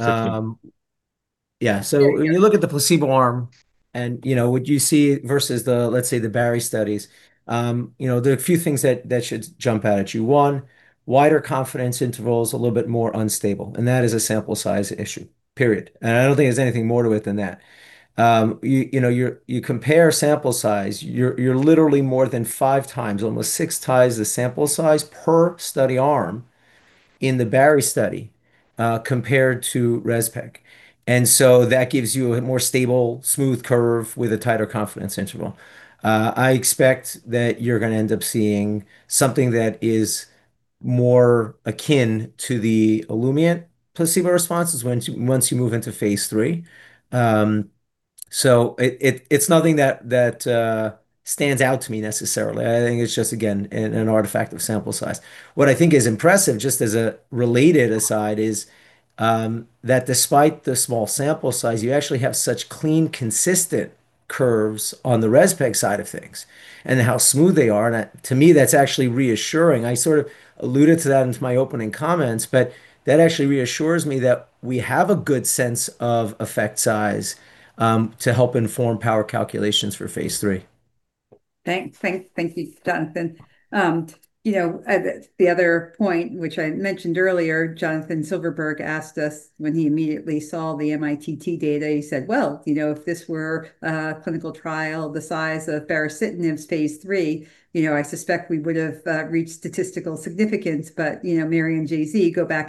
Yeah. So when you look at the placebo arm, and what you see versus, let's say, the bari studies, there are a few things that should jump out at you. One, wider confidence intervals, a little bit more unstable. And that is a sample size issue, period. And I don't think there's anything more to it than that. You compare sample size, you're literally more than five times, almost six times the sample size per study arm in the bari study compared to REZPEG. And so that gives you a more stable, smooth curve with a tighter confidence interval. I expect that you're going to end up seeing something that is more akin to the Olumiant placebo response once you move into phase III. So it's nothing that stands out to me necessarily. I think it's just, again, an artifact of sample size. What I think is impressive, just as a related aside, is that despite the small sample size, you actually have such clean, consistent curves on the REZPEG side of things and how smooth they are. And to me, that's actually reassuring. I sort of alluded to that in my opening comments, but that actually reassures me that we have a good sense of effect size to help inform power calculations for phase III. Thanks. Thank you, Jonathan. The other point, which I mentioned earlier, Jonathan Silverberg asked us when he immediately saw the mITT data, he said, "Well, if this were a clinical trial the size of baricitinib's phase III, I suspect we would have reached statistical significance." But Mary and J.Z., go back.